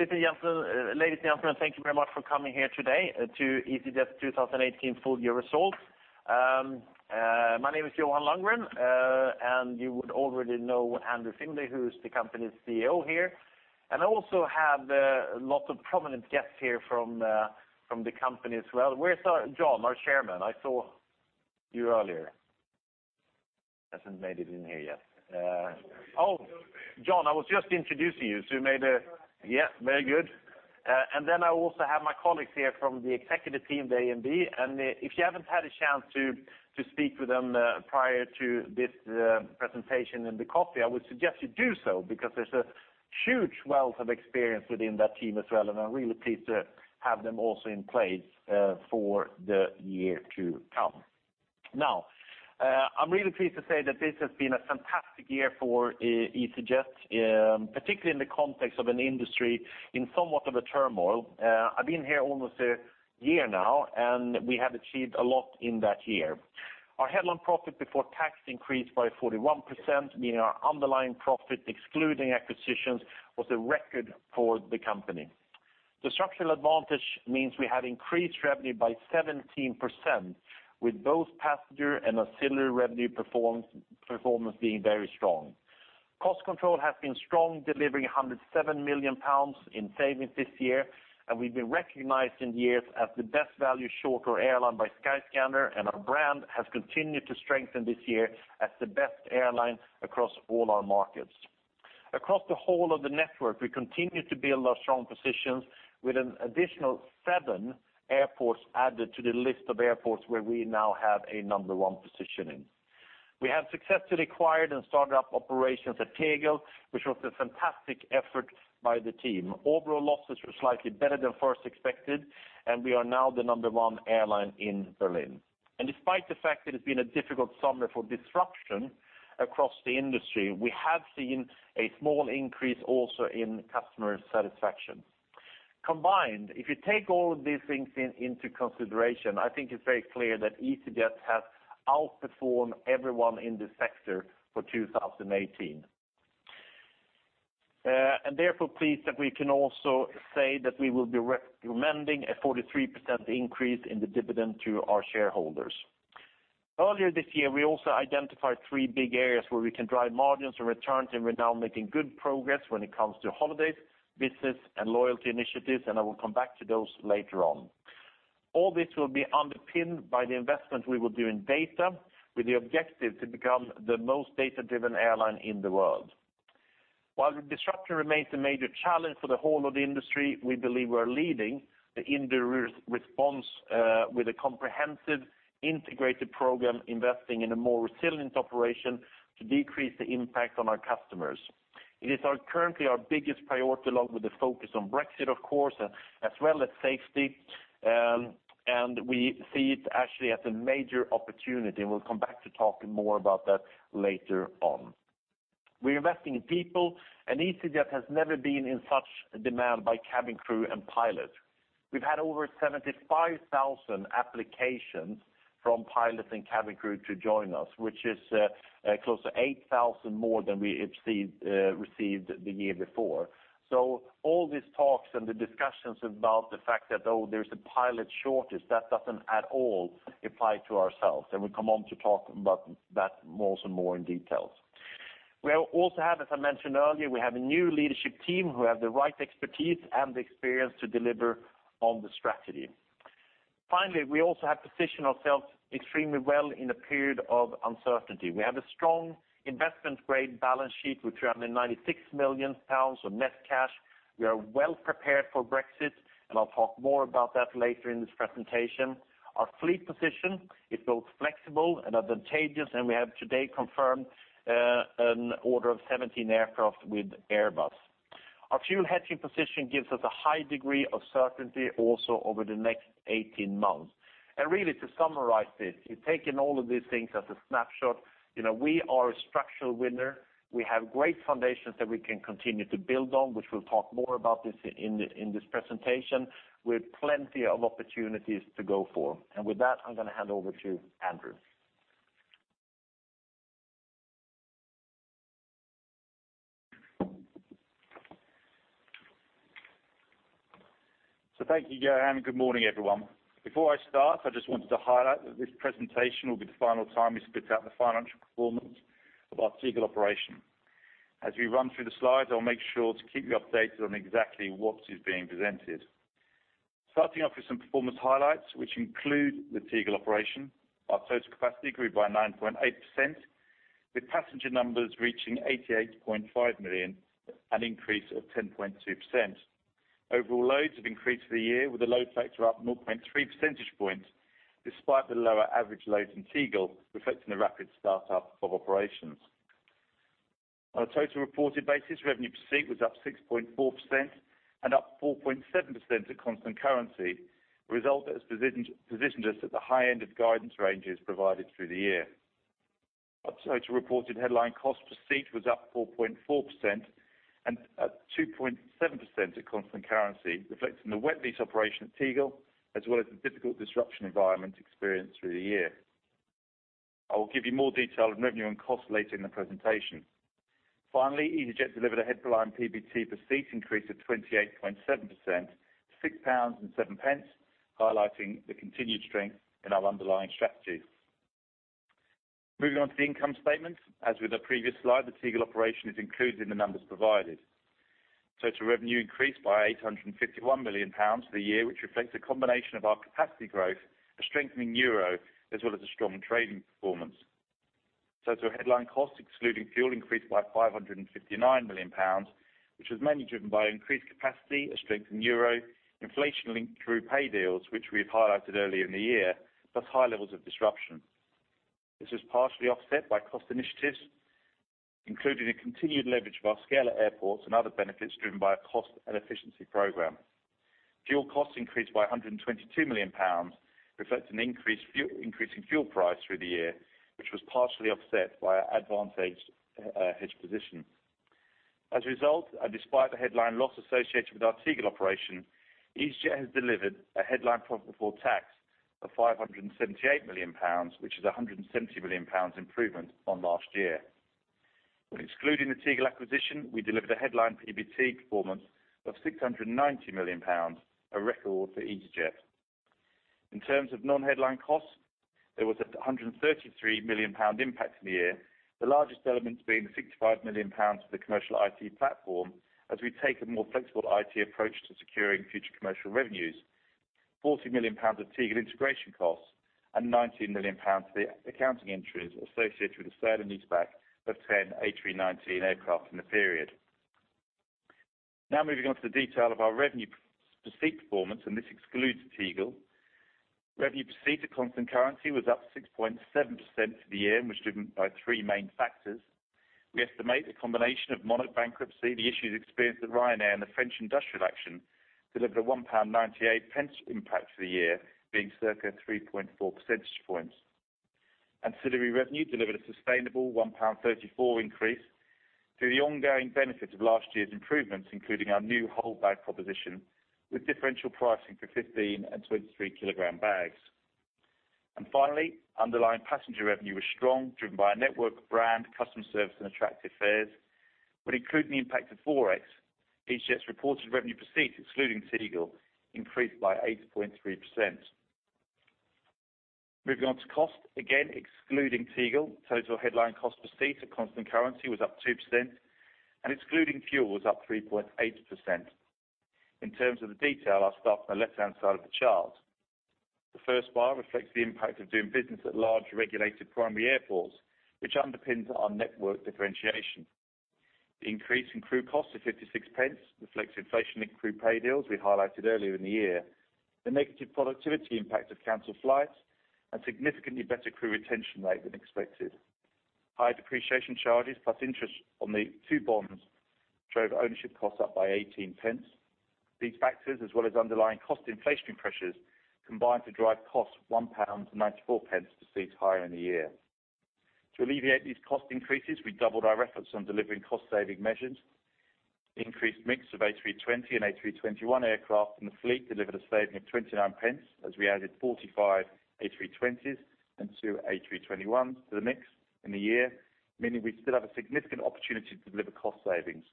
Ladies and gentlemen, thank you very much for coming here today to easyJet's 2018 full year results. My name is Johan Lundgren. You would already know Andrew Findlay, who's the company's CFO here. I also have lots of prominent guests here from the company as well. Where's John, our chairman? I saw you earlier. Hasn't made it in here yet. Oh, John, I was just introducing you, so you made it. Yeah, very good. I also have my colleagues here from the executive team, the AMB. If you haven't had a chance to speak with them prior to this presentation and the coffee, I would suggest you do so because there's a huge wealth of experience within that team as well. I'm really pleased to have them also in place for the year to come. Now, I'm really pleased to say that this has been a fantastic year for easyJet, particularly in the context of an industry in somewhat of a turmoil. I've been here almost a year now, and we have achieved a lot in that year. Our headline profit before tax increased by 41%, meaning our underlying profit excluding acquisitions was a record for the company. The structural advantage means we have increased revenue by 17%, with both passenger and auxiliary revenue performance being very strong. Cost control has been strong, delivering 107 million pounds in savings this year, and we've been recognized in years as the best value short-haul airline by Skyscanner, and our brand has continued to strengthen this year as the best airline across all our markets. Across the whole of the network, we continue to build our strong positions with an additional seven airports added to the list of airports where we now have a Number 1 position in. We have successfully acquired and started up operations at Tegel, which was a fantastic effort by the team. Overall losses were slightly better than first expected, and we are now the Number 1 airline in Berlin. Despite the fact that it's been a difficult summer for disruption across the industry, we have seen a small increase also in customer satisfaction. Combined, if you take all of these things into consideration, I think it's very clear that easyJet has outperformed everyone in this sector for 2018. Therefore pleased that we can also say that we will be recommending a 43% increase in the dividend to our shareholders. Earlier this year, we also identified three big areas where we can drive margins and returns, and we're now making good progress when it comes to holidays, business, and loyalty initiatives, and I will come back to those later on. All this will be underpinned by the investment we will do in data with the objective to become the most data-driven airline in the world. While disruption remains a major challenge for the whole of the industry, we believe we're leading the industry response with a comprehensive, integrated program investing in a more resilient operation to decrease the impact on our customers. It is currently our biggest priority along with the focus on Brexit, of course, as well as safety, and we see it actually as a major opportunity. We'll come back to talk more about that later on. We're investing in people. easyJet has never been in such demand by cabin crew and pilot. We've had over 75,000 applications from pilots and cabin crew to join us, which is close to 8,000 more than we received the year before. All these talks and the discussions about the fact that, oh, there's a pilot shortage, that doesn't at all apply to ourselves. We'll come on to talk about that more in detail. We also have, as I mentioned earlier, we have a new leadership team who have the right expertise and the experience to deliver on the strategy. Finally, we also have positioned ourselves extremely well in a period of uncertainty. We have a strong investment-grade balance sheet with 396 million pounds of net cash. We are well prepared for Brexit, and I'll talk more about that later in this presentation. Our fleet position is both flexible and advantageous. We have today confirmed an order of 17 aircraft with Airbus. Our fuel hedging position gives us a high degree of certainty also over the next 18 months. Really to summarize this, if you take in all of these things as a snapshot, we are a structural winner. We have great foundations that we can continue to build on, which we'll talk more about this in this presentation, with plenty of opportunities to go for. With that, I'm going to hand over to Andrew. Thank you, Johan. Good morning, everyone. Before I start, I just wanted to highlight that this presentation will be the final time we split out the financial performance of our Tegel operation. As we run through the slides, I'll make sure to keep you updated on exactly what is being presented. Starting off with some performance highlights, which include the Tegel operation. Our total capacity grew by 9.8%, with passenger numbers reaching 88.5 million, an increase of 10.2%. Overall loads have increased for the year with a load factor up 0.3 percentage points, despite the lower average loads in Tegel, reflecting the rapid startup of operations. On a total reported basis, revenue per seat was up 6.4% and up 4.7% at constant currency, a result that has positioned us at the high end of guidance ranges provided through the year. Our total reported headline cost per seat was up 4.4% and up 2.7% at constant currency, reflecting the wet lease operation at Tegel, as well as the difficult disruption environment experienced through the year. I will give you more detail of revenue and cost later in the presentation. Finally, easyJet delivered a headline PBT per seat increase of 28.7%, 6.07, highlighting the continued strength in our underlying strategy. Moving on to the income statement. As with the previous slide, the Tegel operation is included in the numbers provided. Total revenue increased by 851 million pounds for the year, which reflects a combination of our capacity growth, a strengthening euro, as well as a strong trading performance. Total headline costs, excluding fuel, increased by 559 million pounds, which was mainly driven by increased capacity, a strengthened euro, inflation linked through pay deals, which we have highlighted earlier in the year, plus high levels of disruption. This was partially offset by cost initiatives, including the continued leverage of our scale at airports and other benefits driven by a cost and efficiency program. Fuel costs increased by 122 million pounds, reflects an increase in fuel price through the year, which was partially offset by our advantaged hedge position. As a result, and despite the headline loss associated with our Tegel operation, easyJet has delivered a headline profit before tax of 578 million pounds, which is 170 million pounds improvement on last year. When excluding the Tegel acquisition, we delivered a headline PBT performance of 690 million pounds, a record for easyJet. In terms of non-headline costs, there was 133 million pound impact in the year, the largest elements being 65 million pounds for the commercial IT platform as we take a more flexible IT approach to securing future commercial revenues, 40 million pounds of Tegel integration costs, and 19 million pounds for the accounting entries associated with the sale and leaseback of 10 A319 aircraft in the period. Moving on to the detail of our revenue per seat performance, and this excludes Tegel. Revenue per seat at constant currency was up 6.7% for the year and was driven by three main factors. We estimate a combination of Monarch bankruptcy, the issues experienced at Ryanair, and the French industrial action delivered a 1.98 pound impact for the year, being circa 3.4 percentage points. Ancillary revenue delivered a sustainable 1.34 pound increase through the ongoing benefit of last year's improvements, including our new hold bag proposition with differential pricing for 15 kg and 23 kg bags. Finally, underlying passenger revenue was strong, driven by a network brand, customer service, and attractive fares. When including the impact of Forex, easyJet's reported revenue per seat, excluding Tegel, increased by 8.3%. Moving on to cost, again, excluding Tegel, total headline cost per seat at constant currency was up 2%, and excluding fuel was up 3.8%. In terms of the detail, I'll start from the left-hand side of the chart. The first bar reflects the impact of doing business at large regulated primary airports, which underpins our network differentiation. The increase in crew cost to 0.56 reflects inflation in crew pay deals we highlighted earlier in the year, the negative productivity impact of canceled flights, and significantly better crew retention rate than expected. Higher depreciation charges plus interest on the two bonds drove ownership costs up by 0.18. These factors, as well as underlying cost inflation pressures, combined to drive cost GBP 1.94 per seat higher in the year. To alleviate these cost increases, we doubled our efforts on delivering cost-saving measures. Increased mix of A320 and A321 aircraft in the fleet delivered a saving of 0.29 as we added 45 A320s and two A321s to the mix in the year, meaning we still have a significant opportunity to deliver cost savings.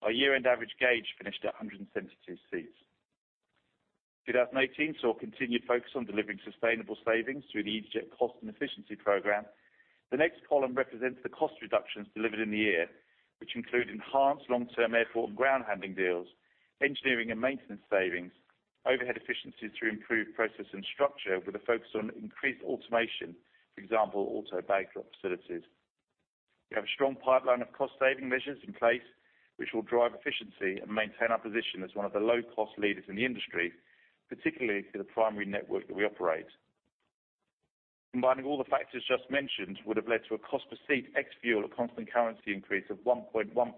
Our year-end average gauge finished at 172 seats. 2018 saw continued focus on delivering sustainable savings through the easyJet cost and efficiency program. The next column represents the cost reductions delivered in the year, which include enhanced long-term airport and ground handling deals, engineering and maintenance savings, overhead efficiencies through improved process and structure with a focus on increased automation, for example, auto bag drop facilities. We have a strong pipeline of cost saving measures in place, which will drive efficiency and maintain our position as one of the low-cost leaders in the industry, particularly through the primary network that we operate. Combining all the factors just mentioned would have led to a cost per seat ex fuel a constant currency increase of 1.1% for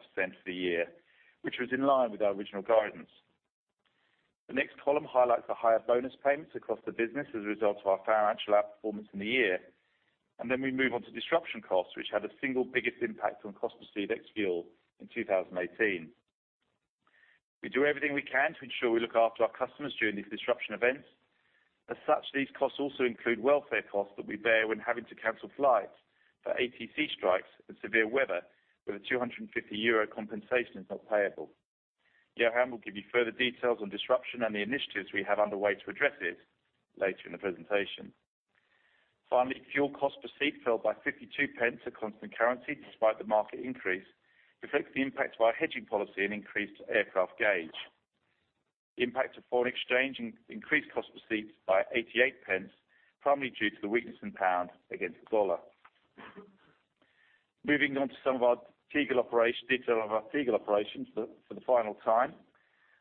the year, which was in line with our original guidance. The next column highlights the higher bonus payments across the business as a result of our financial outperformance in the year. We move on to disruption costs, which had the single biggest impact on cost per seat ex fuel in 2018. We do everything we can to ensure we look after our customers during these disruption events. As such, these costs also include welfare costs that we bear when having to cancel flights for ATC strikes and severe weather where a 250 euro compensation is not payable. Johan will give you further details on disruption and the initiatives we have underway to address it later in the presentation. Finally, fuel cost per seat fell by 0.52 at constant currency despite the market increase, reflects the impact of our hedging policy and increased aircraft gauge. The impact of foreign exchange increased cost per seat by 0.88, primarily due to the weakness in pound against the dollar. Detail of our Tegel operations for the final time.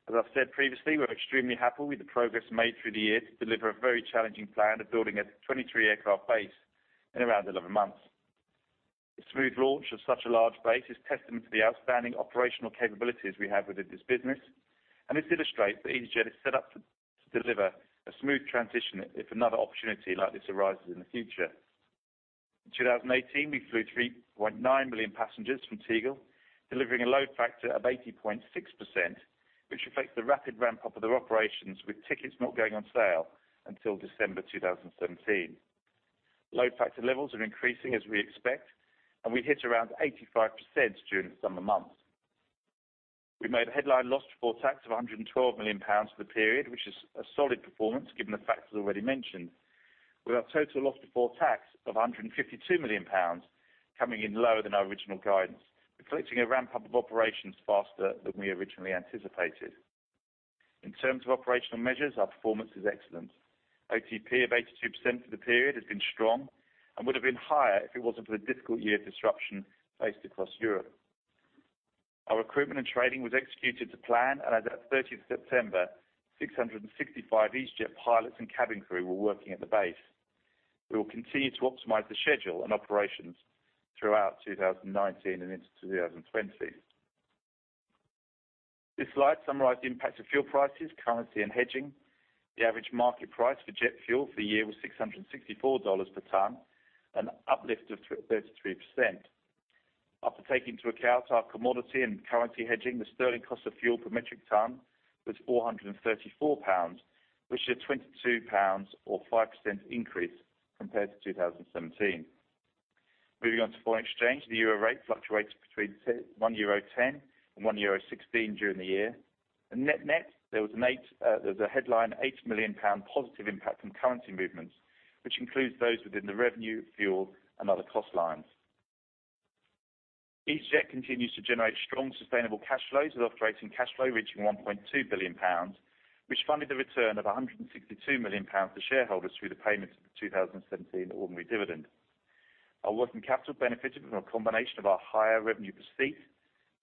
As I've said previously, we're extremely happy with the progress made through the year to deliver a very challenging plan of building a 23 aircraft base in around 11 months. The smooth launch of such a large base is testament to the outstanding operational capabilities we have within this business, this illustrates that easyJet is set up to deliver a smooth transition if another opportunity like this arises in the future. In 2018, we flew 3.9 million passengers from Tegel, delivering a load factor of 80.6%, which reflects the rapid ramp-up of their operations with tickets not going on sale until December 2017. Load factor levels are increasing as we expect, we hit around 85% during the summer months. We made a headline loss before tax of 112 million pounds for the period, which is a solid performance given the factors already mentioned, with our total loss before tax of 152 million pounds coming in lower than our original guidance, reflecting a ramp-up of operations faster than we originally anticipated. In terms of operational measures, our performance is excellent. OTP of 82% for the period has been strong and would have been higher if it wasn't for the difficult year of disruption faced across Europe. Our recruitment and training was executed to plan, 30th September, 665 easyJet pilots and cabin crew were working at the base. We will continue to optimize the schedule and operations throughout 2019 and into 2020. This slide summarizes the impact of fuel prices, currency, and hedging. The average market price for jet fuel for the year was $664 per ton, an uplift of 33%. After taking into account our commodity and currency hedging, the sterling cost of fuel per metric ton was 434 pounds, which is a 22 pounds or 5% increase compared to 2017. Moving on to foreign exchange, the euro rate fluctuates between 1.10 euro and 1.16 euro during the year. Net-net, there was a headline 8 million pound positive impact from currency movements, which includes those within the revenue, fuel, and other cost lines. easyJet continues to generate strong, sustainable cash flows, with operating cash flow reaching 1.2 billion pounds, which funded the return of 162 million pounds to shareholders through the payment of the 2017 ordinary dividend. Our working capital benefited from a combination of our higher revenue per seat,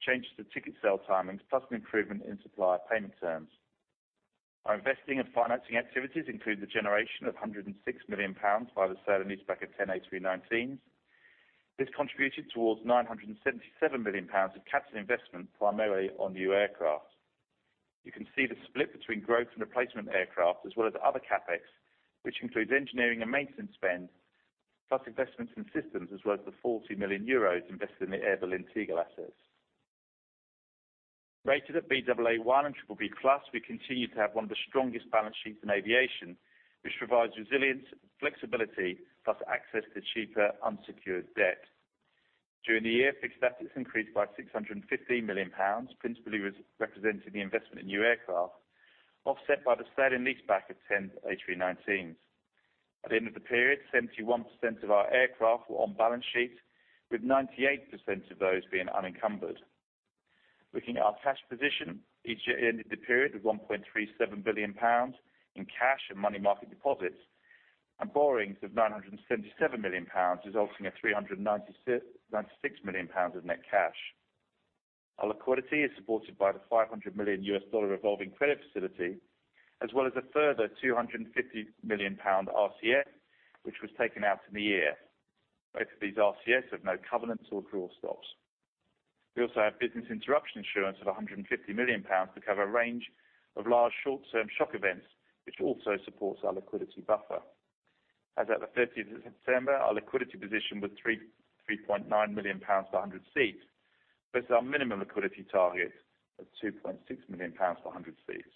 changes to ticket sale timings, plus an improvement in supplier payment terms. Our investing and financing activities include the generation of 106 million pounds by the sale and leaseback of 10 A319s. This contributed towards 977 million pounds of capital investment, primarily on new aircraft. You can see the split between growth and replacement aircraft as well as other CapEx, which includes engineering and maintenance spend, plus investments in systems, as well as the 40 million euros invested in the Air Berlin Tegel assets. Rated at Baa1 and BBB+, we continue to have one of the strongest balance sheets in aviation, which provides resilience, flexibility, plus access to cheaper unsecured debt. During the year, fixed assets increased by 615 million pounds, principally representing the investment in new aircraft, offset by the sale and leaseback of 10 A319s. At the end of the period, 71% of our aircraft were on balance sheet, with 98% of those being unencumbered. Looking at our cash position, easyJet ended the period with 1.37 billion pounds in cash and money market deposits and borrowings of 977 million pounds, resulting in 396 million pounds of net cash. Our liquidity is supported by the $500 million revolving credit facility as well as a further 250 million pound RCF, which was taken out in the year. Both of these RCFs have no covenants or draw stops. We also have business interruption insurance of 150 million pounds to cover a range of large short-term shock events, which also supports our liquidity buffer. As at the 30th of September, our liquidity position was 3.9 million pounds per 100 seats versus our minimum liquidity target of 2.6 million pounds per 100 seats.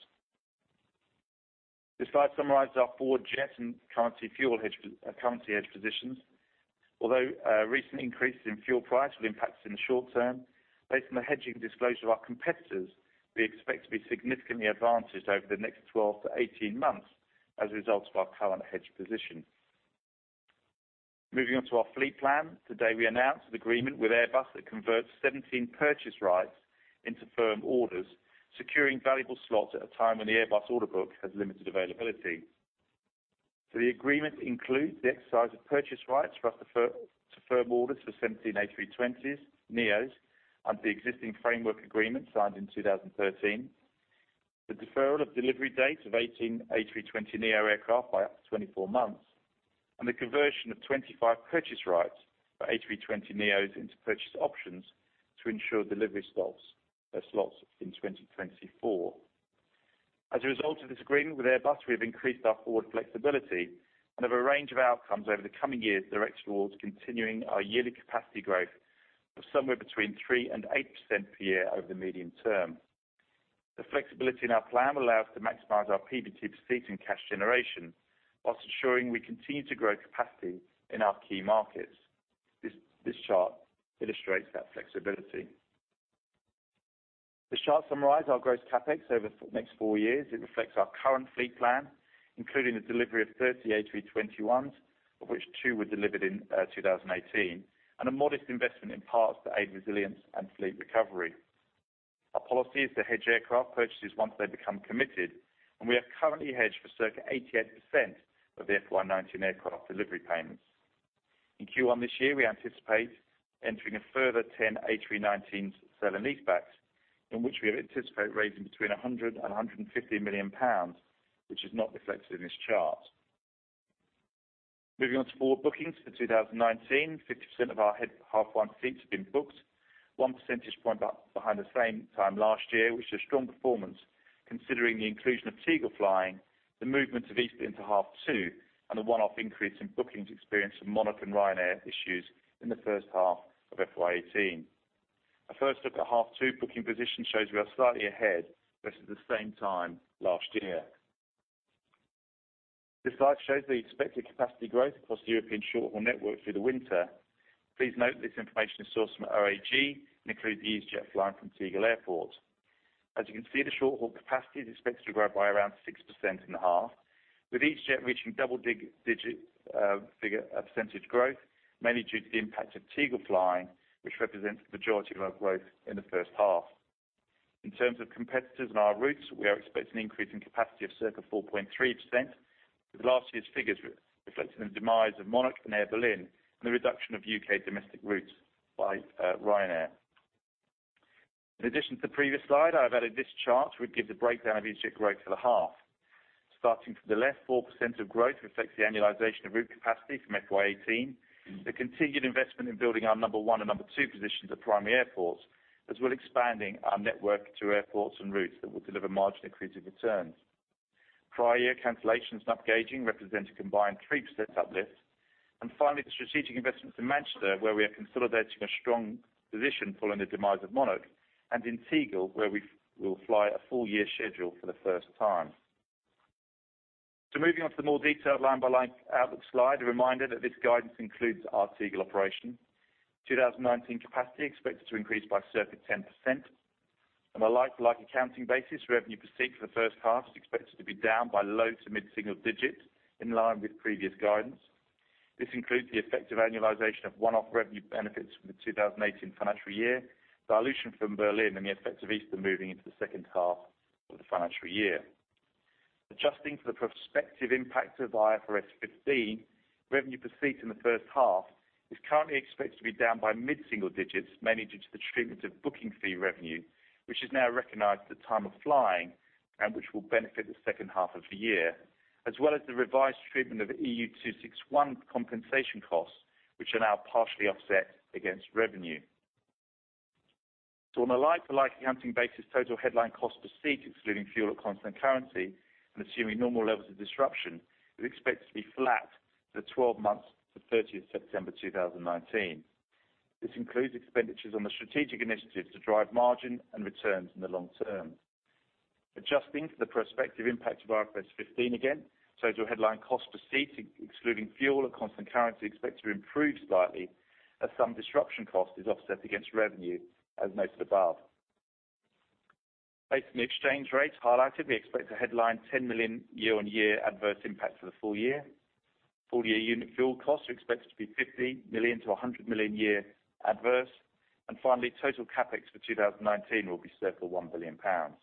This slide summarizes our forward jet and currency hedge positions. Although recent increases in fuel price will impact us in the short term, based on the hedging disclosure of our competitors, we expect to be significantly advantaged over the next 12-18 months as a result of our current hedge position. Moving on to our fleet plan. Today, we announced an agreement with Airbus that converts 17 purchase rights into firm orders, securing valuable slots at a time when the Airbus order book has limited availability. The agreement includes the exercise of purchase rights to firm orders for 17 A320neo under the existing framework agreement signed in 2013, the deferral of delivery dates of 18 A320neo aircraft by up to 24 months, and the conversion of 25 purchase rights for A320neo into purchase options to ensure delivery slots in 2024. As a result of this agreement with Airbus, we have increased our forward flexibility and have a range of outcomes over the coming years that are extra towards continuing our yearly capacity growth of somewhere between 3% and 8% per year over the medium term. The flexibility in our plan allows us to maximize our PBT per seat and cash generation whilst ensuring we continue to grow capacity in our key markets. This chart illustrates that flexibility. This chart summarizes our gross CapEx over the next four years. It reflects our current fleet plan, including the delivery of 30 A321, of which two were delivered in 2018, and a modest investment in parts to aid resilience and fleet recovery. Our policy is to hedge aircraft purchases once they become committed, and we have currently hedged for circa 88% of the A319 aircraft delivery payments. In Q1 this year, we anticipate entering a further 10 A319 sale and leasebacks, in which we have anticipated raising between 100 million and 150 million pounds, which is not reflected in this chart. Moving on to forward bookings for 2019. 50% of our half one seats have been booked, one percentage point behind the same time last year, which is a strong performance considering the inclusion of Tegel flying, the movement of Easter into half two, and the one-off increase in bookings experienced from Monarch and Ryanair issues in the first half of FY 2018. A first look at half two booking position shows we are slightly ahead versus the same time last year. This slide shows the expected capacity growth across the European short-haul network through the winter. Please note this information is sourced from OAG and includes the easyJet flying from Tegel Airport. As you can see, the short-haul capacity is expected to grow by around 6% in the half, with easyJet reaching double-digit percentage growth, mainly due to the impact of Tegel flying, which represents the majority of our growth in the first half. In terms of competitors and our routes, we are expecting an increase in capacity of circa 4.3%, with last year's figures reflecting the demise of Monarch and Air Berlin and the reduction of U.K. domestic routes by Ryanair. In addition to the previous slide, I have added this chart, which gives a breakdown of easyJet growth for the half. Starting from the left, 4% of growth reflects the annualization of route capacity from FY 2018, the continued investment in building our Number 1 and Number 2 positions at primary airports, as well expanding our network to airports and routes that will deliver margin-accretive returns. Prior year cancellations and upgauging represent a combined 3% uplift. Finally, the strategic investments in Manchester, where we are consolidating a strong position following the demise of Monarch, and in Tegel, where we will fly a full year schedule for the first time. Moving on to the more detailed line-by-line outlook slide, a reminder that this guidance includes our Tegel operation. 2019 capacity expected to increase by circa 10%. On a like-to-like accounting basis, revenue per seat for the first half is expected to be down by low to mid-single digits, in line with previous guidance. This includes the effective annualization of one-off revenue benefits from the 2018 financial year, dilution from Berlin, and the effects of Easter moving into the second half of the financial year. Adjusting for the prospective impact of IFRS 15, revenue per seat in the first half is currently expected to be down by mid-single digits, mainly due to the treatment of booking fee revenue, which is now recognized at the time of flying and which will benefit the second half of the year, as well as the revised treatment of EU261 compensation costs, which are now partially offset against revenue. On a like-to-like accounting basis, total headline cost per seat, excluding fuel at constant currency and assuming normal levels of disruption, is expected to be flat for the 12 months to 30th September 2019. This includes expenditures on the strategic initiatives to drive margin and returns in the long term. Adjusting for the prospective impact of IFRS 15 again, total headline cost per seat, excluding fuel at constant currency, expected to improve slightly as some disruption cost is offset against revenue, as noted above. Based on the exchange rates highlighted, we expect a headline 10 million year-on-year adverse impact for the full year. Full-year unit fuel costs are expected to be 50 million-100 million a year adverse. Finally, total CapEx for 2019 will be circa 1 billion pounds.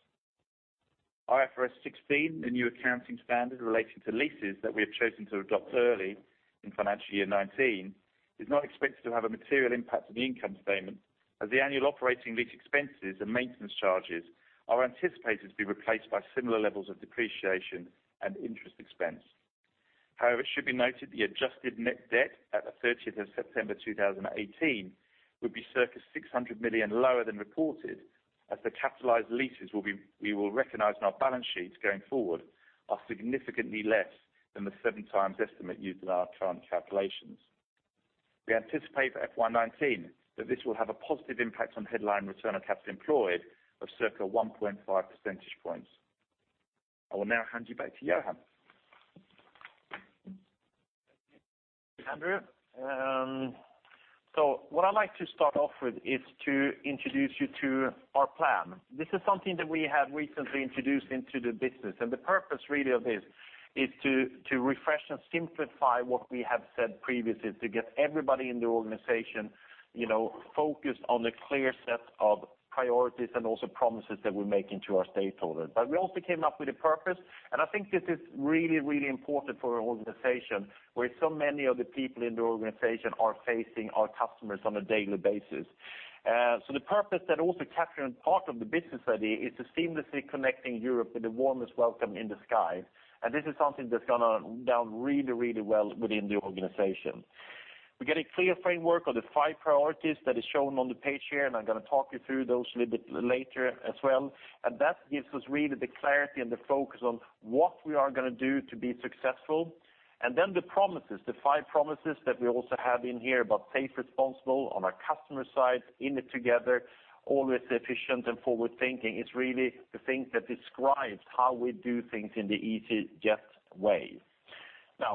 IFRS 16, the new accounting standard relating to leases that we have chosen to adopt early in financial year 2019, is not expected to have a material impact on the income statement, as the annual operating lease expenses and maintenance charges are anticipated to be replaced by similar levels of depreciation and interest expense. It should be noted the adjusted net debt at the 30th of September 2018 would be circa 600 million lower than reported, as the capitalized leases we will recognize on our balance sheets going forward are significantly less than the 7x estimate used in our current calculations. We anticipate for FY 2019 that this will have a positive impact on headline return on capital employed of circa 1.5 percentage points. I will now hand you back to Johan. Andrew. What I'd like to start off with is to introduce you to our plan. This is something that we have recently introduced into the business. The purpose really of this is to refresh and simplify what we have said previously, to get everybody in the organization focused on the clear set of priorities and also promises that we're making to our stakeholders. We also came up with a purpose, I think this is really, really important for an organization where so many of the people in the organization are facing our customers on a daily basis. The purpose that also capture part of the business idea is to seamlessly connecting Europe with the warmest welcome in the sky. This is something that's gone down really, really well within the organization. We get a clear framework of the five priorities that is shown on the page here. I'm going to talk you through those a little bit later as well. That gives us really the clarity and the focus on what we are going to do to be successful. The promises, the five promises that we also have in here about safe, responsible on our customer side, in it together, always efficient, and forward-thinking. It's really the things that describes how we do things in the easyJet way.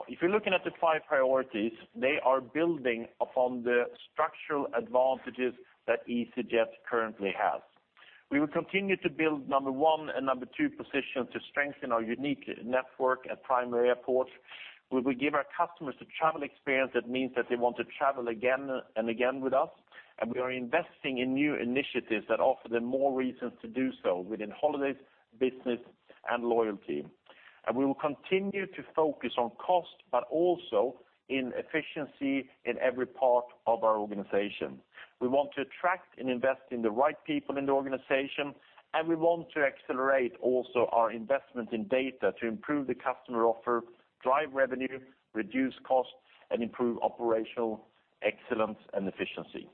If you're looking at the five priorities, they are building upon the structural advantages that easyJet currently has. We will continue to build Number 1 and Number 2 positions to strengthen our unique network at primary airports, where we give our customers a travel experience that means that they want to travel again and again with us, and we are investing in new initiatives that offer them more reasons to do so within holidays, business, and loyalty. We will continue to focus on cost, but also in efficiency in every part of our organization. We want to attract and invest in the right people in the organization, and we want to accelerate also our investment in data to improve the customer offer, drive revenue, reduce costs, and improve operational excellence and efficiency.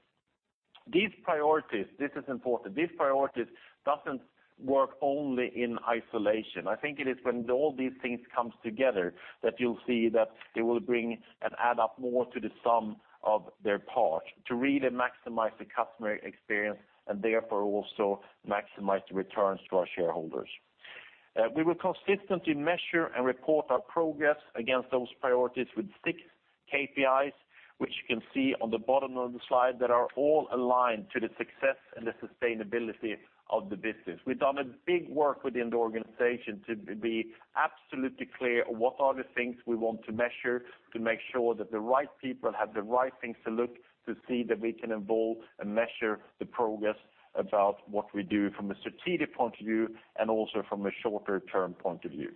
These priorities, this is important, these priorities doesn't work only in isolation. I think it is when all these things come together that you'll see that they will bring and add up more to the sum of their parts to really maximize the customer experience and therefore also maximize the returns to our shareholders. We will consistently measure and report our progress against those priorities with six KPIs, which you can see on the bottom of the slide that are all aligned to the success and the sustainability of the business. We've done a big work within the organization to be absolutely clear what are the things we want to measure to make sure that the right people have the right things to look to see that we can evolve and measure the progress about what we do from a strategic point of view and also from a shorter term point of view.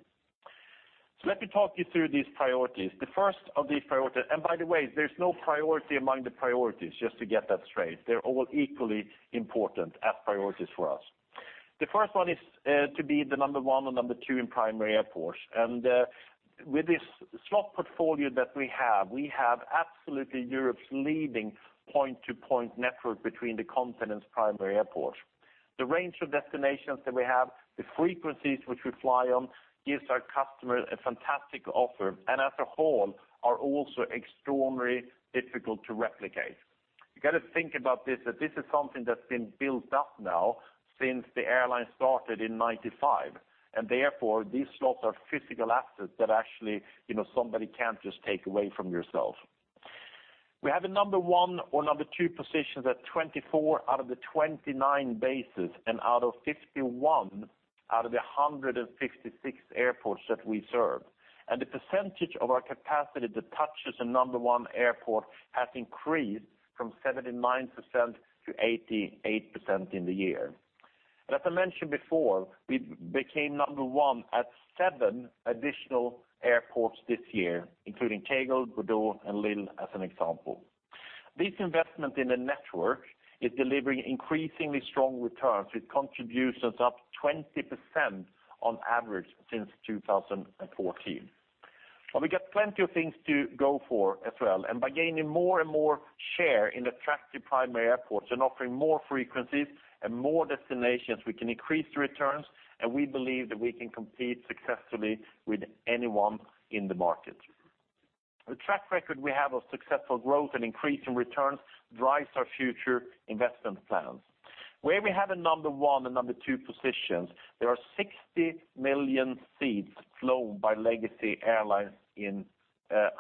Let me talk you through these priorities. The first of these priorities-- and by the way, there's no priority among the priorities, just to get that straight. They're all equally important as priorities for us. The first one is to be the Number 1 or Number 2 in primary airports. With this slot portfolio that we have, we have absolutely Europe's leading point-to-point network between the continent's primary airports. The range of destinations that we have, the frequencies which we fly on, gives our customers a fantastic offer, and as a whole, are also extraordinarily difficult to replicate. You got to think about this, that this is something that's been built up now since the airline started in 1995, and therefore, these slots are physical assets that actually somebody can't just take away from yourself. We have a Number 1 or Number 2 positions at 24 out of the 29 bases and out of 51 out of the 156 airports that we serve. The percentage of our capacity that touches a Number 1 airport has increased from 79% to 88% in the year. As I mentioned before, we became Number 1 at seven additional airports this year, including Tegel, Bordeaux, and Lille, as an example. This investment in the network is delivering increasingly strong returns with contributions up 20% on average since 2014. We got plenty of things to go for as well. By gaining more and more share in the attractive primary airports and offering more frequencies and more destinations, we can increase the returns, and we believe that we can compete successfully with anyone in the market. The track record we have of successful growth and increase in returns drives our future investment plans. Where we have a Number 1 and Number 2 positions, there are 60 million seats flown by legacy airlines in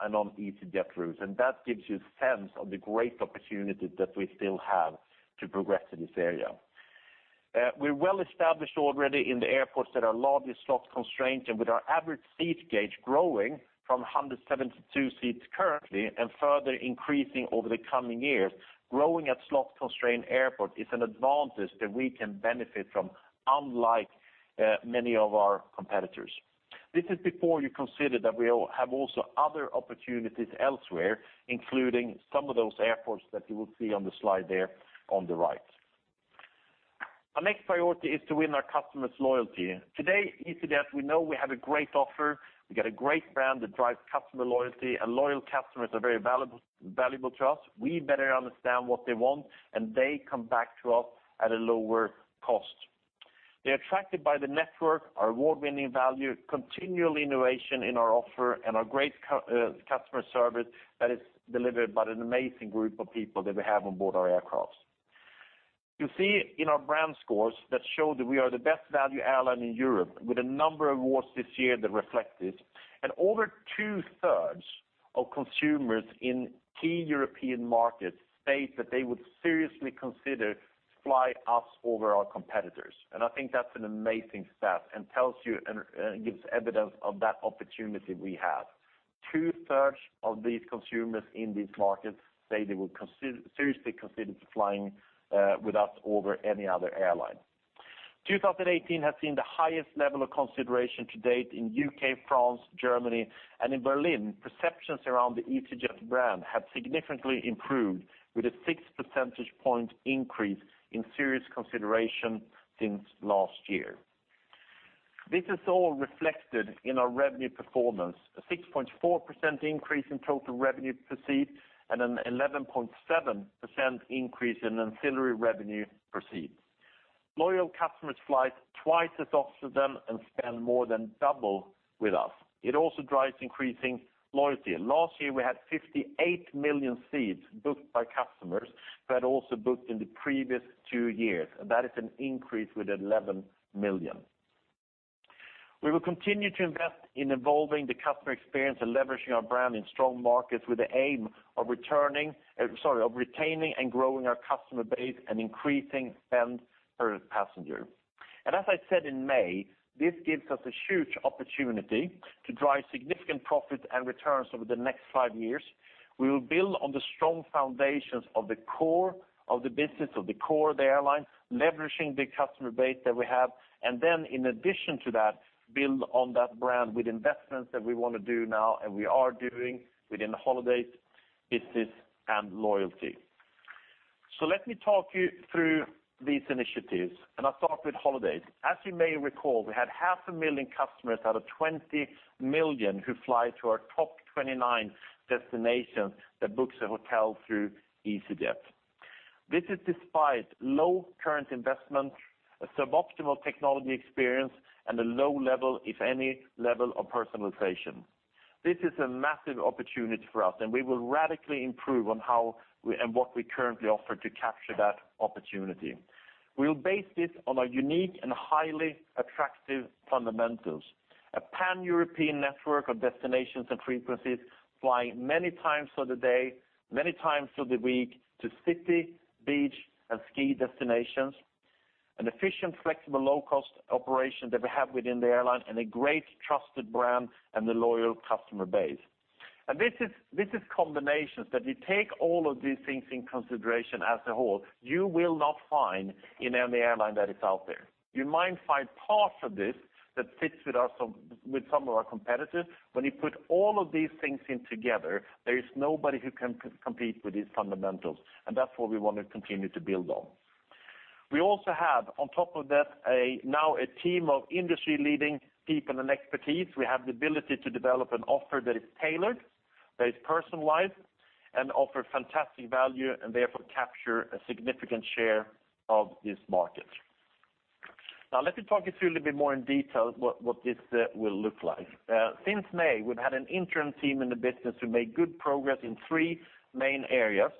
and on easyJet routes. That gives you a sense of the great opportunity that we still have to progress in this area. We're well established already in the airports that are largely slot constrained. With our average seat gauge growing from 172 seats currently and further increasing over the coming years, growing at slot-constrained airport is an advantage that we can benefit from, unlike many of our competitors. This is before you consider that we have also other opportunities elsewhere, including some of those airports that you will see on the slide there on the right. Our next priority is to win our customers' loyalty. Today, easyJet, we know we have a great offer. We got a great brand that drives customer loyalty. Loyal customers are very valuable to us. We better understand what they want. They come back to us at a lower cost. They're attracted by the network, our award-winning value, continual innovation in our offer, and our great customer service that is delivered by an amazing group of people that we have on board our aircraft. You see in our brand scores that show that we are the best value airline in Europe with a number of awards this year that reflect this. Over 2/3 of consumers in key European markets state that they would seriously consider flying us over our competitors. I think that's an amazing stat and gives evidence of that opportunity we have. Two-thirds of these consumers in these markets say they would seriously consider flying with us over any other airline. 2018 has seen the highest level of consideration to date in U.K., France, Germany, and in Berlin, perceptions around the easyJet brand have significantly improved with a 6 percentage point increase in serious consideration since last year. This is all reflected in our revenue performance, a 6.4% increase in total revenue proceed and an 11.7% increase in ancillary revenue proceed. Loyal customers fly twice as often and spend more than double with us. It also drives increasing loyalty. Last year, we had 58 million seats booked by customers who had also booked in the previous two years. That is an increase with 11 million. We will continue to invest in evolving the customer experience and leveraging our brand in strong markets with the aim of retaining and growing our customer base and increasing spend per passenger. As I said in May, this gives us a huge opportunity to drive significant profits and returns over the next five years. We will build on the strong foundations of the core of the business, of the core of the airline, leveraging the customer base that we have. In addition to that, build on that brand with investments that we want to do now and we are doing within the holidays business and loyalty. Let me talk you through these initiatives, and I'll start with holidays. As you may recall, we had 500,000 customers out of 20 million who fly to our top 29 destinations that books a hotel through easyJet. This is despite low current investment, a suboptimal technology experience, and a low level, if any level of personalization. This is a massive opportunity for us, and we will radically improve on how and what we currently offer to capture that opportunity. We'll base this on our unique and highly attractive fundamentals. A pan-European network of destinations and frequencies flying many times through the day, many times through the week to city, beach and ski destinations. An efficient, flexible, low-cost operation that we have within the airline and a great trusted brand and a loyal customer base. This is combinations that you take all of these things in consideration as a whole, you will not find in any airline that is out there. You might find parts of this that fits with some of our competitors. When you put all of these things in together, there is nobody who can compete with these fundamentals, and that's what we want to continue to build on. We also have on top of that, now a team of industry-leading people and expertise. We have the ability to develop an offer that is tailored, that is personalized, and offer fantastic value, and therefore capture a significant share of this market. Let me talk you through a little bit more in detail what this will look like. Since May, we've had an interim team in the business who made good progress in three main areas,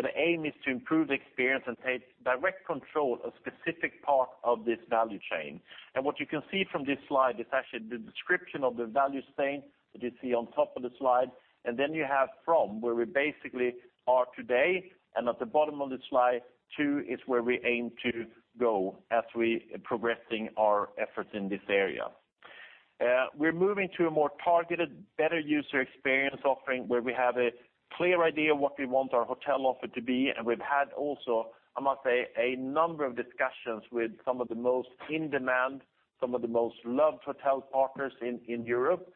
where the aim is to improve the experience and take direct control of specific parts of this value chain. What you can see from this slide is actually the description of the value chain that you see on top of the slide. You have from where we basically are today, and at the bottom of the slide, to is where we aim to go as we progressing our efforts in this area. We're moving to a more targeted, better user experience offering, where we have a clear idea of what we want our hotel offer to be, and we've had also, I must say, a number of discussions with some of the most in-demand, some of the most loved hotel partners in Europe.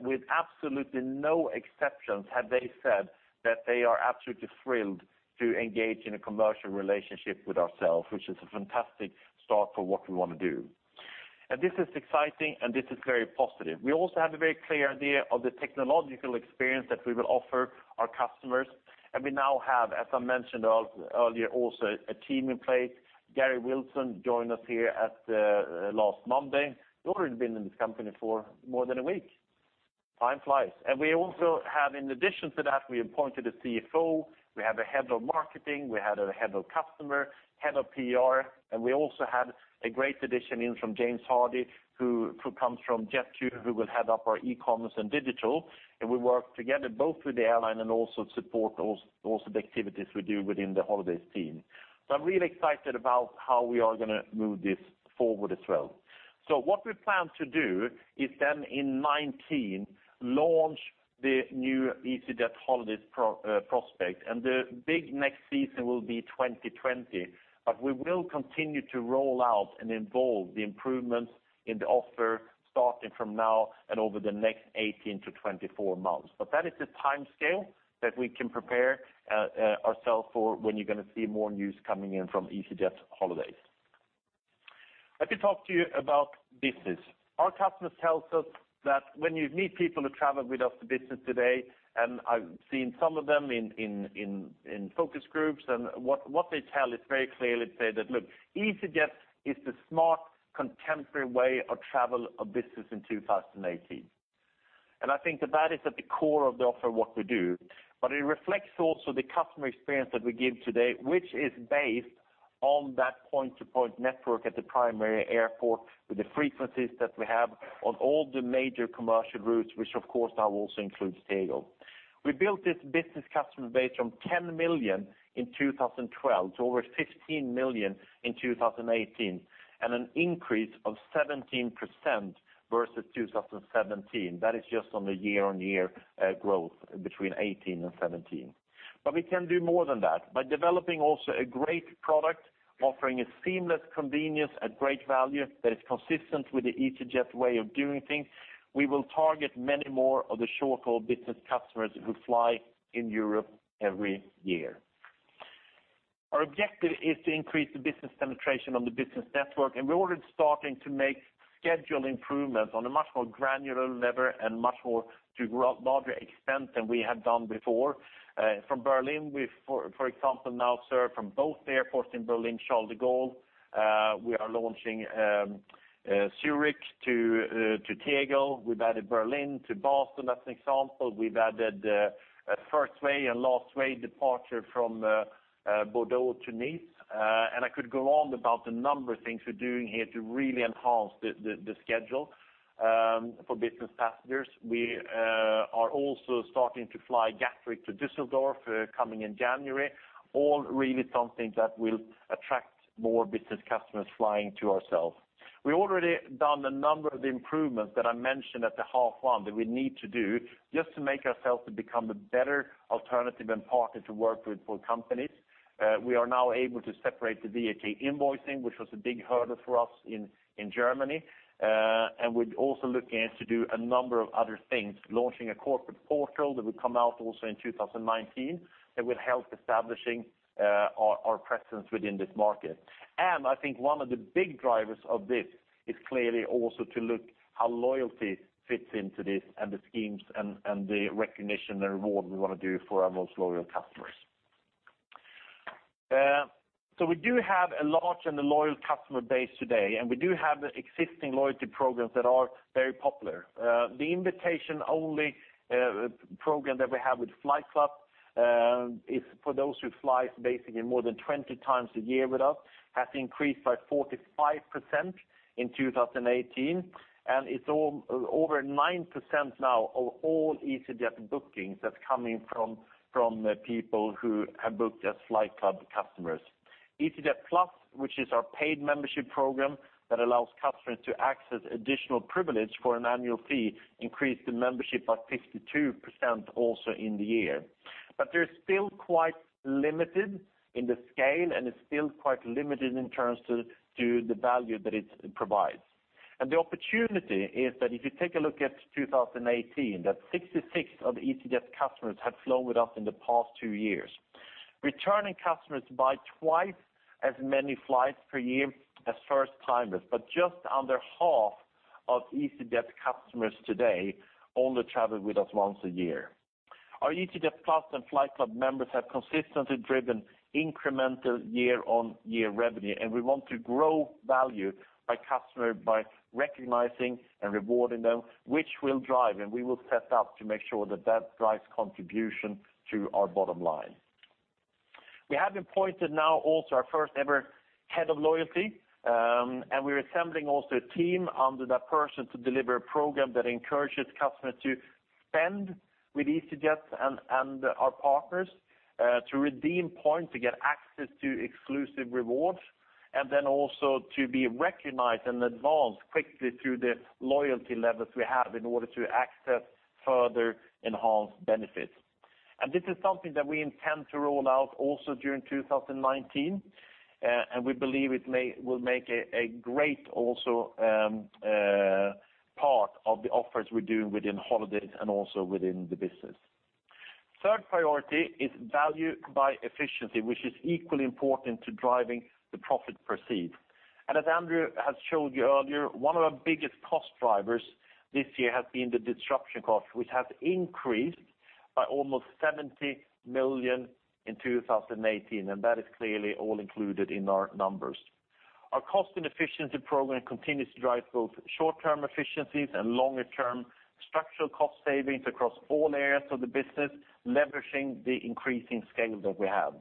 With absolutely no exceptions have they said that they are absolutely thrilled to engage in a commercial relationship with ourselves, which is a fantastic start for what we want to do. This is exciting, and this is very positive. We also have a very clear idea of the technological experience that we will offer our customers. We now have, as I mentioned earlier, also a team in place. Garry Wilson joined us here last Monday. He's already been in this company for more than a week. Time flies. We also have, in addition to that, we appointed a CFO, we have a head of marketing, we had a head of customer, head of PR, and we also had a great addition in from James Hardy, who comes from Jet2, who will head up our e-commerce and digital. Will work together both with the airline and also support also the activities we do within the holidays team. I'm really excited about how we are going to move this forward as well. What we plan to do is then in 2019, launch the new easyJet holidays prospect, and the big next season will be 2020. We will continue to roll out and involve the improvements in the offer starting from now and over the next 18-24 months. That is the timescale that we can prepare ourselves for when you're going to see more news coming in from easyJet holidays. Let me talk to you about business. Our customers tells us that when you meet people who travel with us for business today, and I've seen some of them in focus groups, and what they tell is very clearly say that, "Look, easyJet is the smart, contemporary way of travel of business in 2018." I think that is at the core of the offer of what we do. It reflects also the customer experience that we give today, which is based on that point to point network at the primary airport with the frequencies that we have on all the major commercial routes, which of course now also includes Tegel. We built this business customer base from 10 million in 2012 to over 15 million in 2018, and an increase of 17% versus 2017. That is just on the year-on-year growth between 2018 and 2017. We can do more than that by developing also a great product, offering a seamless convenience at great value that is consistent with the easyJet way of doing things. We will target many more of the short-haul business customers who fly in Europe every year. Our objective is to increase the business penetration on the business network, and we're already starting to make schedule improvements on a much more granular level and much more to larger extent than we have done before. From Berlin, we, for example, now serve from both airports in Berlin Schönefeld. We are launching Zurich to Tegel. We've added Berlin to Boston, as an example. We've added a first wave and last wave departure from Bordeaux to Nice. I could go on about the number of things we're doing here to really enhance the schedule for business passengers. We are also starting to fly Gatwick to Düsseldorf coming in January. All really something that will attract more business customers flying to ourselves. We already done a number of the improvements that I mentioned at the half one that we need to do just to make ourselves to become a better alternative and partner to work with for companies. We are now able to separate the VAT invoicing, which was a big hurdle for us in Germany. We are also looking to do a number of other things, launching a corporate portal that will come out also in 2019 that will help establishing our presence within this market. I think one of the big drivers of this is clearly also to look how loyalty fits into this and the schemes and the recognition and reward we want to do for our most loyal customers. We do have a large and a loyal customer base today, and we do have existing loyalty programs that are very popular. The invitation-only program that we have with Flight Club is for those who fly basically more than 20 times a year with us. Has increased by 45% in 2018. It is over 9% now of all easyJet bookings that is coming from people who have booked as Flight Club customers. easyJet Plus, which is our paid membership program that allows customers to access additional privilege for an annual fee, increased the membership by 52% also in the year. They are still quite limited in the scale and it is still quite limited in terms to the value that it provides. The opportunity is that if you take a look at 2018, that 66 of easyJet customers have flown with us in the past two years. Returning customers buy twice as many flights per year as first-timers, but just under half of easyJet customers today only travel with us once a year. Our easyJet Plus and Flight Club members have consistently driven incremental year-on-year revenue, and we want to grow value by customer by recognizing and rewarding them, which will drive, and we will set up to make sure that that drives contribution to our bottom line. We have appointed now also our first ever head of loyalty. We are assembling also a team under that person to deliver a program that encourages customers to spend with easyJet and our partners to redeem points to get access to exclusive rewards, to be recognized and advance quickly through the loyalty levels we have in order to access further enhanced benefits. This is something that we intend to roll out also during 2019. We believe it will make a great also part of the offers we are doing within holidays and also within the business. Third priority is value by efficiency, which is equally important to driving the profit per seat. As Andrew has showed you earlier, one of our biggest cost drivers this year has been the disruption cost, which has increased by almost 70 million in 2018, that is clearly all included in our numbers. Our cost and efficiency program continues to drive both short-term efficiencies and longer term structural cost savings across all areas of the business, leveraging the increasing scale that we have.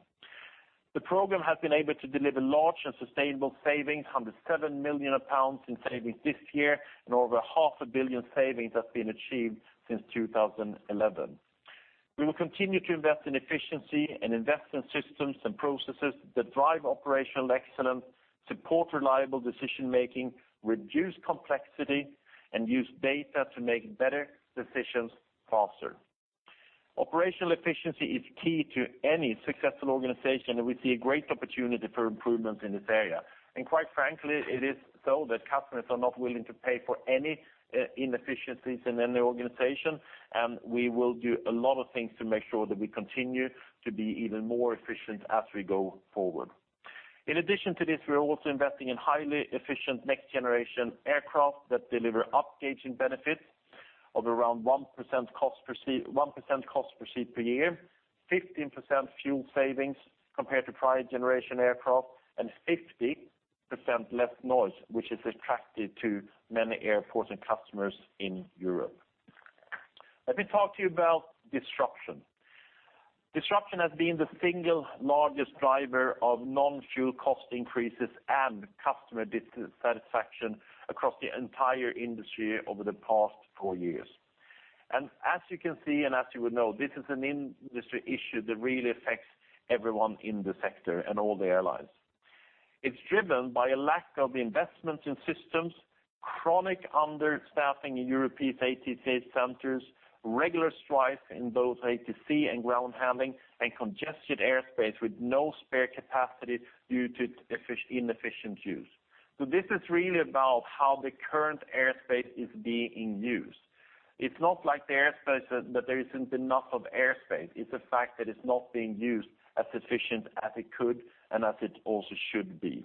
The program has been able to deliver large and sustainable savings, 107 million pounds in savings this year and over GBP half a billion savings has been achieved since 2011. We will continue to invest in efficiency and invest in systems and processes that drive operational excellence, support reliable decision-making, reduce complexity and use data to make better decisions faster. Operational efficiency is key to any successful organization. We see a great opportunity for improvement in this area. Quite frankly, it is so that customers are not willing to pay for any inefficiencies in any organization, and we will do a lot of things to make sure that we continue to be even more efficient as we go forward. In addition to this, we are also investing in highly efficient next-generation aircraft that deliver up gauging benefits of around 1% cost per seat per year, 15% fuel savings compared to prior generation aircraft, and 50% less noise, which is attractive to many airports and customers in Europe. Let me talk to you about disruption. Disruption has been the single largest driver of non-fuel cost increases and customer dissatisfaction across the entire industry over the past four years. As you can see, and as you would know, this is an industry issue that really affects everyone in the sector and all the airlines. It's driven by a lack of investment in systems, chronic understaffing in European ATC centers, regular strikes in both ATC and ground handling, and congested airspace with no spare capacity due to inefficient use. This is really about how the current airspace is being used. It's not like that there isn't enough of airspace. It's a fact that it's not being used as efficient as it could and as it also should be.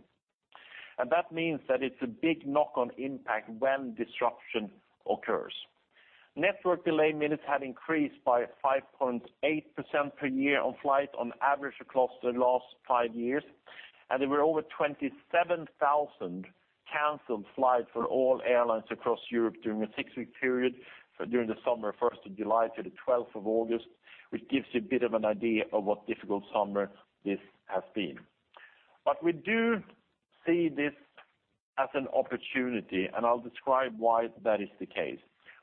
That means that it's a big knock-on impact when disruption occurs. Network delay minutes have increased by 5.8% per year on flight on average across the last five years. There were over 27,000 canceled flights for all airlines across Europe during a six-week period during the summer, 1st of July to the 12th of August, which gives you a bit of an idea of what difficult summer this has been. We do see this as an opportunity, and I'll describe why that is the case.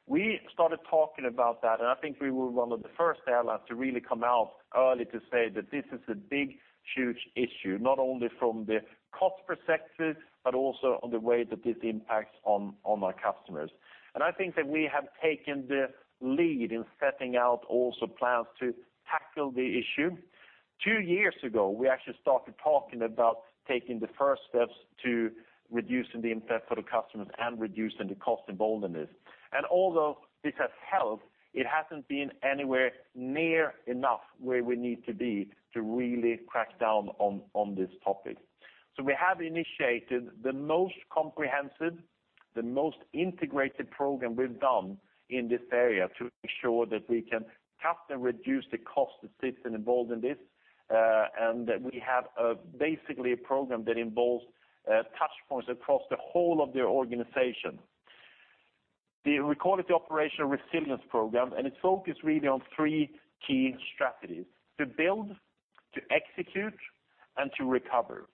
We started talking about that, and I think we were one of the first airlines to really come out early to say that this is a big, huge issue, not only from the cost perspective, but also on the way that this impacts on our customers. I think that we have taken the lead in setting out also plans to tackle the issue. Two years ago, we actually started talking about taking the first steps to reducing the impact for the customers and reducing the cost involved in this. Although this has helped, it hasn't been anywhere near enough where we need to be to really crack down on this topic. We have initiated the most comprehensive, the most integrated program we've done in this area to ensure that we can cut and reduce the cost that sits involved in this, and that we have basically a program that involves touchpoints across the whole of the organization. We call it the Operational Resilience Programme, and it's focused really on three key strategies: to build, to execute, and to recover.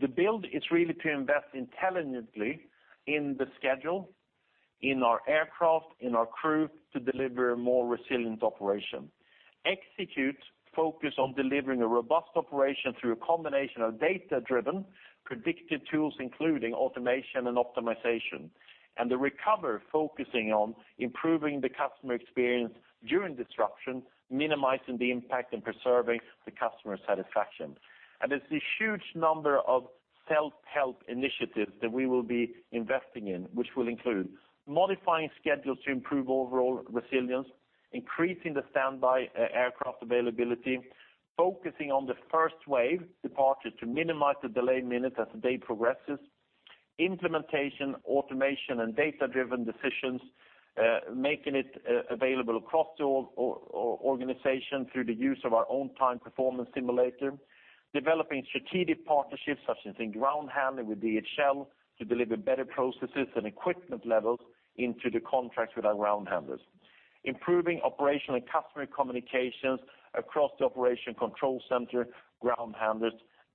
The build is really to invest intelligently in the schedule, in our aircraft, in our crew to deliver a more resilient operation. Execute focus on delivering a robust operation through a combination of data-driven predictive tools, including automation and optimization. The recovery focusing on improving the customer experience during disruption, minimizing the impact, and preserving the customer satisfaction. There's this huge number of self-help initiatives that we will be investing in, which will include modifying schedules to improve overall resilience, increasing the standby aircraft availability, focusing on the first wave departure to minimize the delay minutes as the day progresses, implementation, automation, and data-driven decisions, making it available across the organization through the use of our on-time performance simulator. Developing strategic partnerships, such as in ground handling with DHL to deliver better processes and equipment levels into the contracts with our ground handlers. Improving operational and customer communications across the Operations Control Center, ground handlers,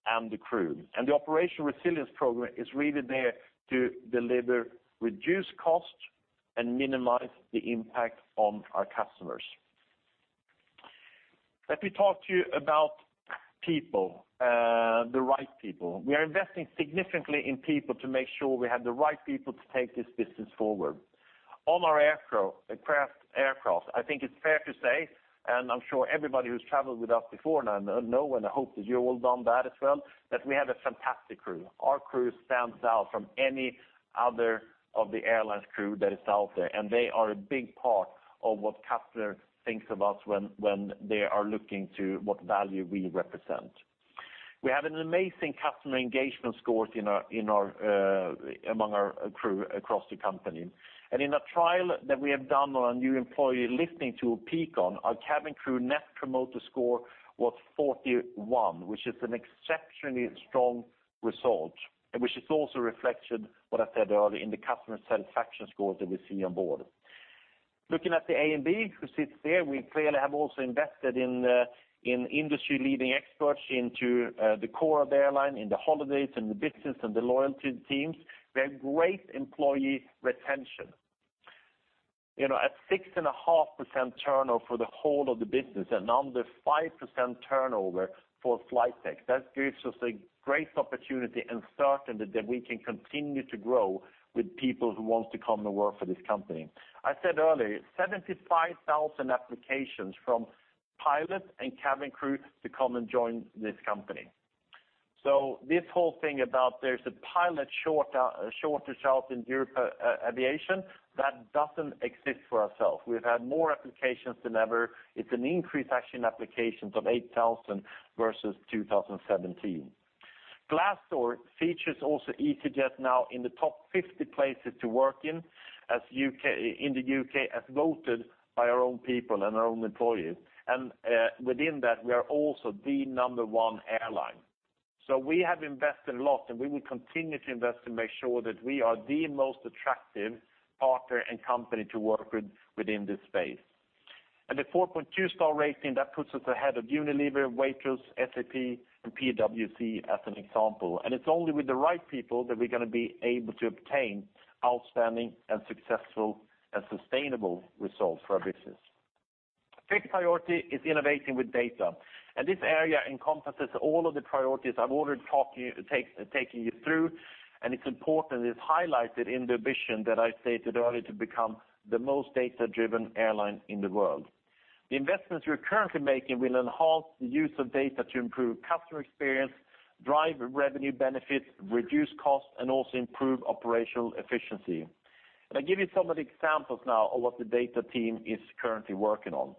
and the crew. The Operational Resilience Programme is really there to deliver reduced cost and minimize the impact on our customers. Let me talk to you about people, the right people. We are investing significantly in people to make sure we have the right people to take this business forward. On our aircraft, I think it's fair to say, and I'm sure everybody who's traveled with us before now know, and I hope that you all done that as well, that we have a fantastic crew. Our crew stands out from any other of the airlines crew that is out there, and they are a big part of what customer thinks about when they are looking to what value we represent. We have an amazing customer engagement scores among our crew across the company. In a trial that we have done on our new employee listening tool, Peakon, our cabin crew Net Promoter Score was 41, which is an exceptionally strong result, and which is also reflected what I said earlier in the customer satisfaction scores that we see on board. Looking at the A&D who sits there, we clearly have also invested in industry-leading experts into the core of the airline, in holidays, and the business, and the loyalty teams. We have great employee retention. At 6.5% turnover for the whole of the business and under 5% turnover for flight deck, that gives us a great opportunity and certainty that we can continue to grow with people who wants to come and work for this company. I said earlier, 75,000 applications from pilots and cabin crew to come and join this company. This whole thing about there's a pilot shortage out in Europe aviation, that doesn't exist for ourself. We've had more applications than ever. It's an increase actually in applications of 8,000 versus 2017. Glassdoor features also easyJet now in the top 50 places to work in the U.K., as voted by our own people and our own employees. Within that, we are also the Number 1 airline. We have invested a lot, and we will continue to invest to make sure that we are the most attractive partner and company to work with within this space. The 4.2 star rating, that puts us ahead of Unilever, Waitrose, SAP, and PwC as an example. It's only with the right people that we're going to be able to obtain outstanding and successful and sustainable results for our business. Fifth priority is innovating with data, this area encompasses all of the priorities I've already taken you through, it's important. It's highlighted in the ambition that I stated earlier to become the most data-driven airline in the world. The investments we're currently making will enhance the use of data to improve customer experience, drive revenue benefits, reduce costs, and also improve operational efficiency. I give you some of the examples now of what the data team is currently working on.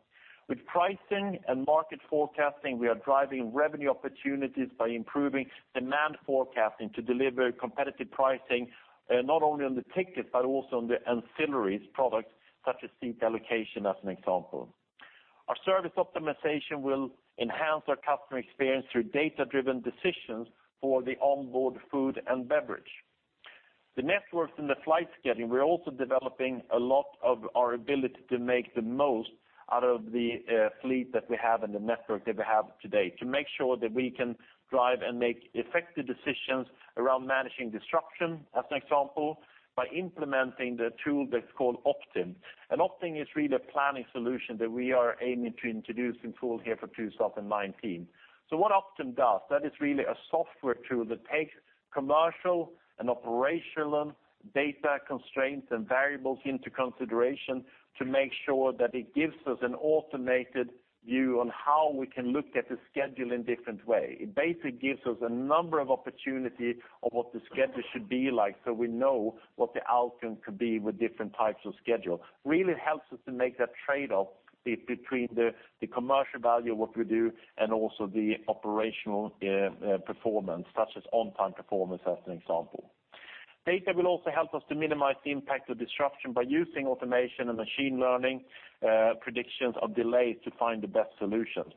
With pricing and market forecasting, we are driving revenue opportunities by improving demand forecasting to deliver competitive pricing, not only on the ticket, but also on the ancillaries products such as seat allocation as an example. Our service optimization will enhance our customer experience through data-driven decisions for the onboard food and beverage. The networks and the flight scheduling, we're also developing a lot of our ability to make the most out of the fleet that we have and the network that we have today to make sure that we can drive and make effective decisions around managing disruption as an example, by implementing the tool that's called Optym. Optym is really a planning solution that we are aiming to introduce in full here for 2019. What Optym does, that is really a software tool that takes commercial and operational data constraints and variables into consideration to make sure that it gives us an automated view on how we can look at the schedule in different way. It basically gives us a number of opportunity of what the schedule should be like so we know what the outcome could be with different types of schedule. Really helps us to make that trade-off between the commercial value of what we do and also the operational performance, such as on-time performance as an example. Data will also help us to minimize the impact of disruption by using automation and machine learning predictions of delays to find the best solutions.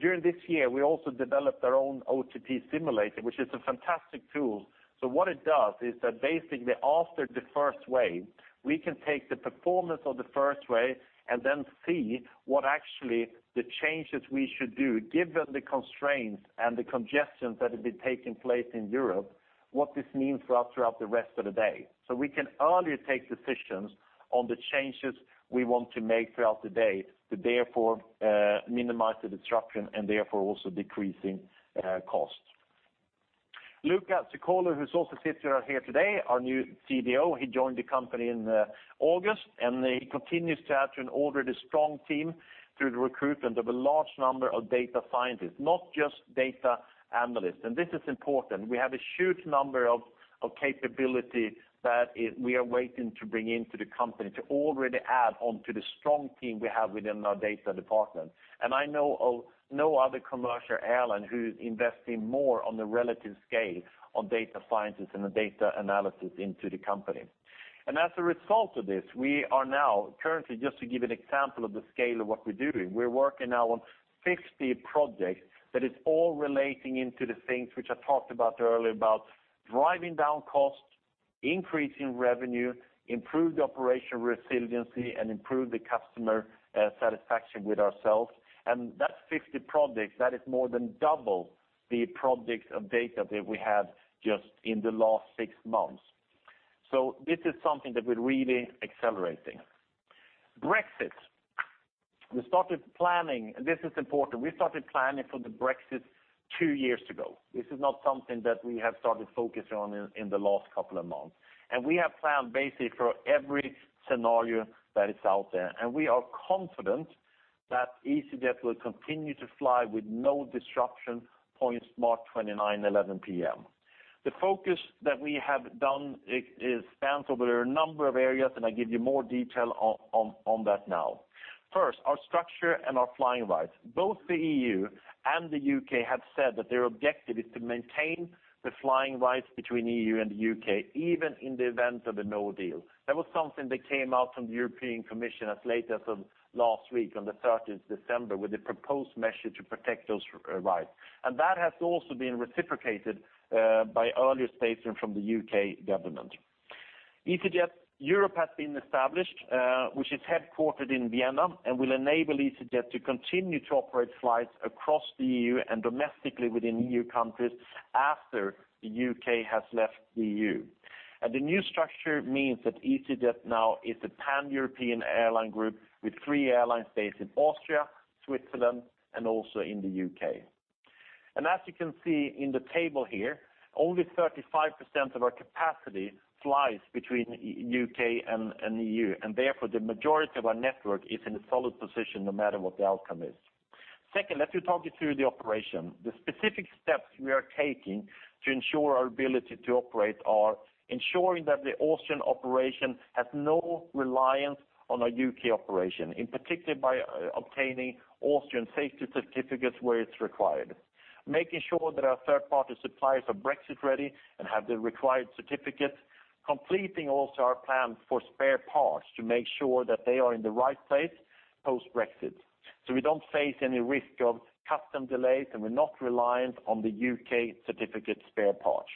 During this year, we also developed our own OTP simulator, which is a fantastic tool. What it does is that basically after the first wave, we can take the performance of the first wave and then see what actually the changes we should do, given the constraints and the congestions that have been taking place in Europe, what this means for us throughout the rest of the day. We can earlier take decisions on the changes we want to make throughout the day to therefore minimize the disruption and therefore also decreasing costs. Luca Zuccoli who also sits here with us today, our new CDO. He joined the company in August, he continues to add to an already strong team through the recruitment of a large number of data scientists, not just data analysts. This is important. We have a huge number of capabilities that we are waiting to bring into the company to already add on to the strong team we have within our data department. I know of no other commercial airline who's investing more on the relative scale on data scientists and data analysis into the company. As a result of this, we are now currently, just to give an example of the scale of what we're doing, we're working now on 50 projects that is all relating into the things which I talked about earlier, about driving down costs, increasing revenue, improve the operation resiliency, and improve the customer satisfaction with ourselves. That 50 projects, that is more than double the projects of data that we had just in the last six months. This is something that we're really accelerating. Brexit. We started planning and this is important. We started planning for the Brexit two years ago. This is not something that we have started focusing on in the last couple of months. We have planned basically for every scenario that is out there, and we are confident that easyJet will continue to fly with no disruption post March 29, 11:00 PM. The focus that we have done spans over a number of areas. I give you more detail on that now. First, our structure and our flying rights. Both the EU and the U.K. have said that their objective is to maintain the flying rights between EU and the U.K., even in the event of a no deal. That was something that came out from the European Commission as late as of last week on the 30th December with a proposed measure to protect those rights. That has also been reciprocated by earlier statements from the U.K. government. easyJet Europe has been established, which is headquartered in Vienna and will enable easyJet to continue to operate flights across the EU and domestically within EU countries after the U.K. has left the EU. The new structure means that easyJet now is a pan-European airline group with three airline states in Austria, Switzerland, and also in the U.K. As you can see in the table here, only 35% of our capacity flies between U.K. and EU. Therefore, the majority of our network is in a solid position no matter what the outcome is. Second, let me talk you through the operation. The specific steps we are taking to ensure our ability to operate are ensuring that the Austrian operation has no reliance on our U.K. operation, in particular by obtaining Austrian safety certificates where it's required. Making sure that our third-party suppliers are Brexit ready and have the required certificates. Completing also our plan for spare parts to make sure that they are in the right place post-Brexit. We don't face any risk of custom delays. We're not reliant on the U.K. certificate spare parts.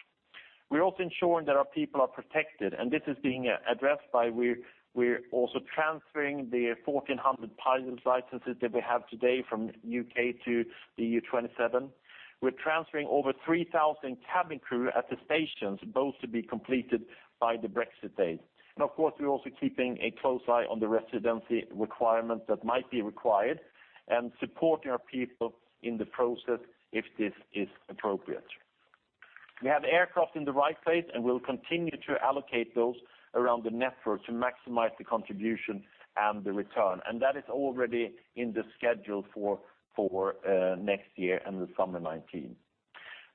We're also ensuring that our people are protected, and this is being addressed by transferring the 1,400 pilot licenses that we have today from U.K. to EU27. We're transferring over 3,000 cabin crew at the stations, both to be completed by the Brexit date. Of course, we're also keeping a close eye on the residency requirement that might be required and supporting our people in the process if this is appropriate. We have aircraft in the right place. Will continue to allocate those around the network to maximize the contribution and the return. That is already in the schedule for next year and the summer 2019.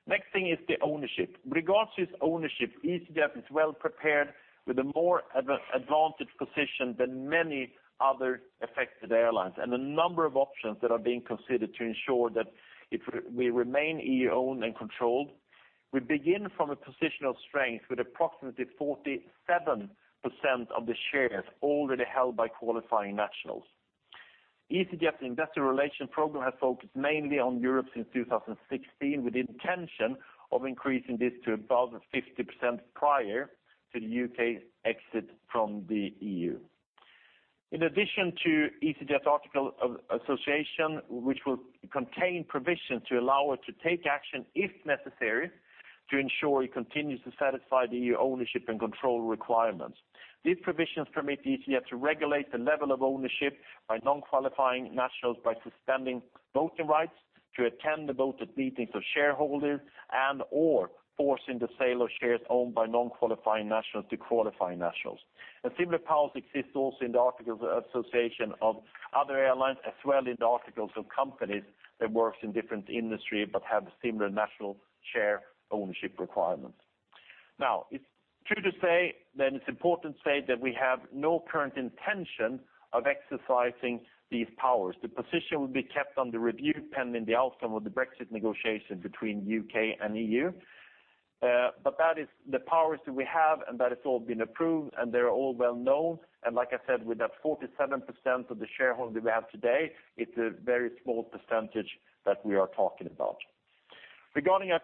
Next thing is the ownership. Regardless of ownership, easyJet is well prepared with a more advantaged position than many other affected airlines and a number of options that are being considered to ensure that we remain EU-owned and controlled. We begin from a position of strength with approximately 47% of the shares already held by qualifying nationals. easyJet investor relation program has focused mainly on Europe since 2016, with the intention of increasing this to above 50% prior to the U.K.'s exit from the EU. In addition to easyJet's article of association, which will contain provisions to allow it to take action if necessary to ensure it continues to satisfy the EU ownership and control requirements. These provisions permit the easyJet to regulate the level of ownership by non-qualifying nationals, by suspending voting rights to attend the voted meetings of shareholders and/or forcing the sale of shares owned by non-qualifying nationals to qualifying nationals. Similar powers exist also in the Articles of Association of other airlines, as well in the articles of companies that works in different industry but have similar national share ownership requirements. It's true to say, that it's important to say that we have no current intention of exercising these powers. The position will be kept under review pending the outcome of the Brexit negotiation between U.K. and EU. That is the powers that we have, and that has all been approved, and they're all well known. Like I said, with that 47% of the shareholder we have today, it's a very small percentage that we are talking about. Regarding our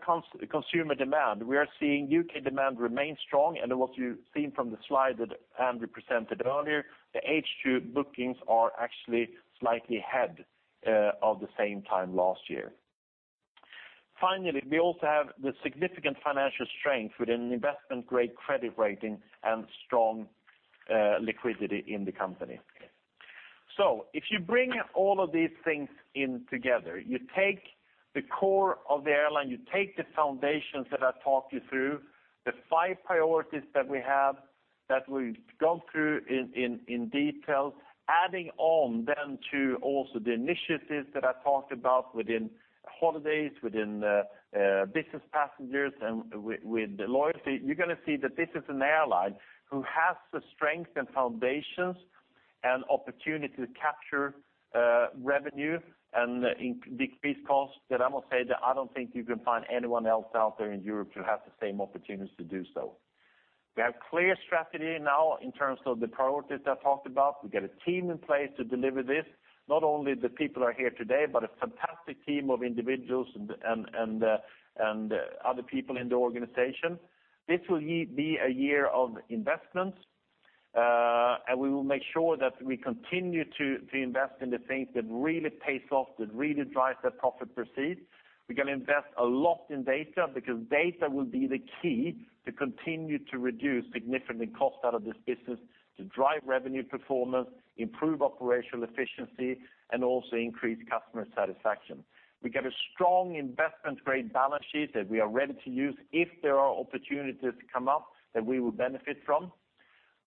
consumer demand, we are seeing U.K. demand remain strong. What you've seen from the slide that Andrew presented earlier, the H2 bookings are actually slightly ahead of the same time last year. Finally, we also have the significant financial strength with an investment-grade credit rating and strong liquidity in the company. If you bring all of these things in together. You take the core of the airline, you take the foundations that I talked you through, the five priorities that we have, that we've gone through in detail, adding on then to also the initiatives that I talked about within holidays, within business passengers, and with loyalty. You're going to see that this is an airline who has the strength and foundations and opportunity to capture revenue and decrease cost, that I must say that I don't think you can find anyone else out there in Europe who has the same opportunities to do so. We have clear strategy now in terms of the priorities I talked about. We've got a team in place to deliver this. Not only the people are here today, but a fantastic team of individuals and other people in the organization. This will be a year of investments, and we will make sure that we continue to invest in the things that really pays off, that really drives that profit proceeds. We're going to invest a lot in data, because data will be the key to continue to reduce significantly cost out of this business, to drive revenue performance, improve operational efficiency, and also increase customer satisfaction. We got a strong investment-grade balance sheet that we are ready to use if there are opportunities to come up that we will benefit from.